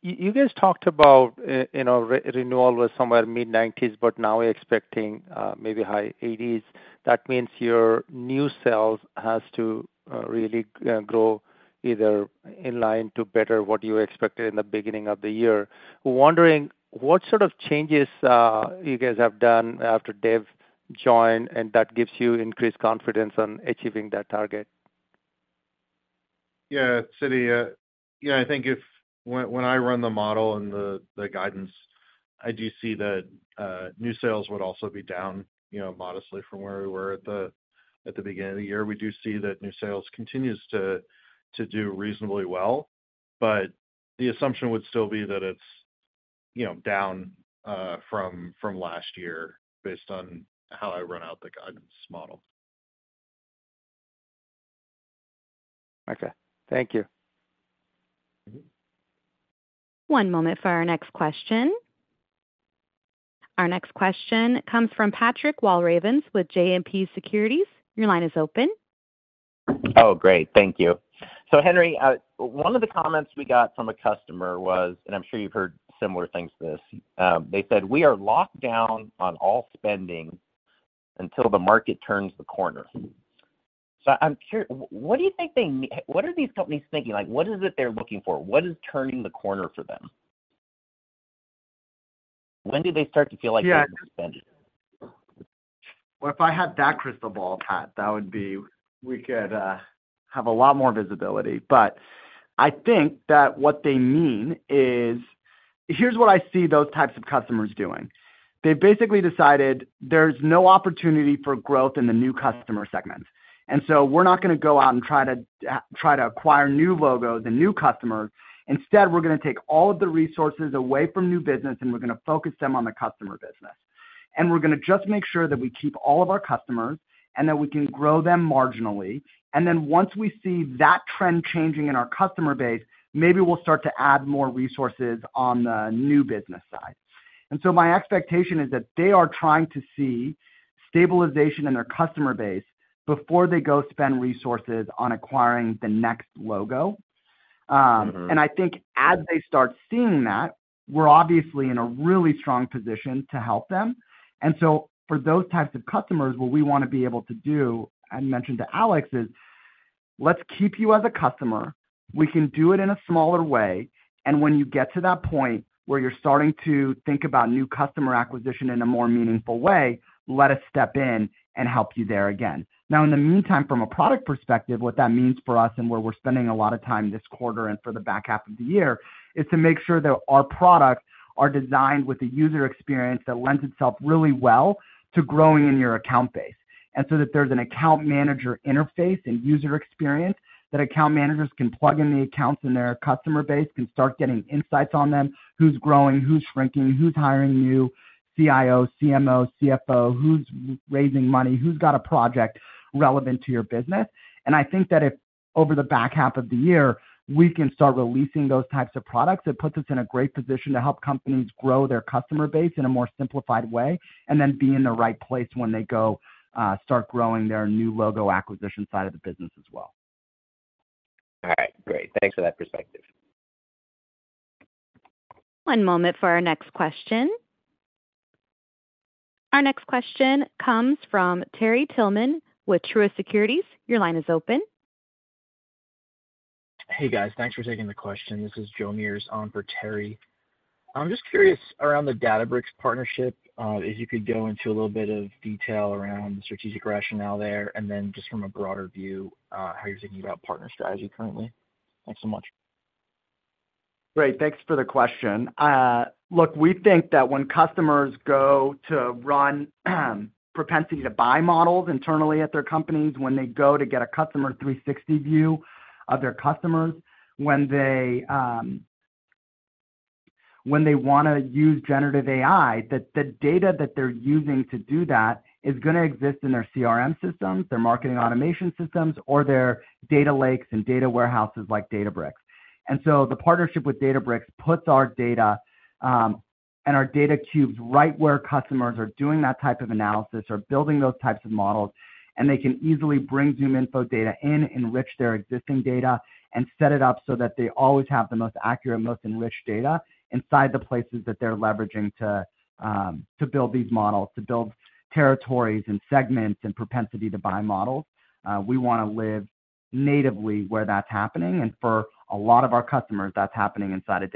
You, you guys talked about you know, renewal was somewhere mid-90s, but now we're expecting maybe high 80s. That means your new sales has to really grow either in line to better what you expected in the beginning of the year. We're wondering, what sort of changes you guys have done after Dave joined, and that gives you increased confidence on achieving that target? Yeah, Siddhi, you know, I think if when, when I run the model and the, the guidance, I do see that new sales would also be down, you know, modestly from where we were at the, at the beginning of the year. We do see that new sales continues to, to do reasonably well, but the assumption would still be that it's, you know, down from, from last year based on how I run out the guidance model. Okay. Thank you. One moment for our next question. Our next question comes from Patrick Walravens with JMP Securities. Your line is open. Oh, great. Thank you. Henry, one of the comments we got from a customer was, and I'm sure you've heard similar things to this. They said, "We are locked down on all spending until the market turns the corner." What do you think they, what are these companies thinking? Like, what is it they're looking for? What is turning the corner for them? When do they start to feel like they can spend it? Well, if I had that crystal ball, Pat, that would be, we could have a lot more visibility. I think that what they mean is. Here's what I see those types of customers doing. They've basically decided there's no opportunity for growth in the new customer segment, we're not gonna go out and try to try to acquire new logos and new customers. Instead, we're gonna take all of the resources away from new business, we're gonna focus them on the customer business. We're gonna just make sure that we keep all of our customers and that we can grow them marginally, once we see that trend changing in our customer base, maybe we'll start to add more resources on the new business side. My expectation is that they are trying to see stabilization in their customer base before they go spend resources on acquiring the next logo. I think as they start seeing that, we're obviously in a really strong position to help them. For those types of customers, what we want to be able to do, I mentioned to Alex, is: Let's keep you as a customer. We can do it in a smaller way, and when you get to that point where you're starting to think about new customer acquisition in a more meaningful way, let us step in and help you there again. In the meantime, from a product perspective, what that means for us and where we're spending a lot of time this quarter and for the back half of the year, is to make sure that our products are designed with a user experience that lends itself really well to growing in your account base. So that there's an account manager interface and user experience, that account managers can plug in the accounts in their customer base, can start getting insights on them, who's growing, who's shrinking, who's hiring new CIO, CMO, CFO, who's raising money, who's got a project relevant to your business? I think that if over the back half of the year, we can start releasing those types of products, it puts us in a great position to help companies grow their customer base in a more simplified way, and then be in the right place when they go, start growing their new logo acquisition side of the business as well. All right, great. Thanks for that perspective. One moment for our next question. Our next question comes from Terry Tillman with Truist Securities. Your line is open. Hey, guys. Thanks for taking the question. This is Joe Meares on for Terry. I'm just curious, around the Databricks partnership, if you could go into a little bit of detail around the strategic rationale there, and then just from a broader view, how you're thinking about partner strategy currently. Thanks so much. Great, thanks for the question. Look, we think that when customers go to run, propensity to buy models internally at their companies, when they go to get a Customer 360 view of their customers, when they, when they wanna use generative AI, that the data that they're using to do that is gonna exist in their CRM systems, their marketing automation systems, or their data lakes and data warehouses like Databricks. The partnership with Databricks puts our data, and our Data Cubes right where customers are doing that type of analysis or building those types of models, and they can easily bring ZoomInfo data in, enrich their existing data, and set it up so that they always have the most accurate, most enriched data inside the places that they're leveraging to, to build these models, to build territories and segments and propensity to buy models. We wanna live natively where that's happening, and for a lot of our customers, that's happening inside of Databricks.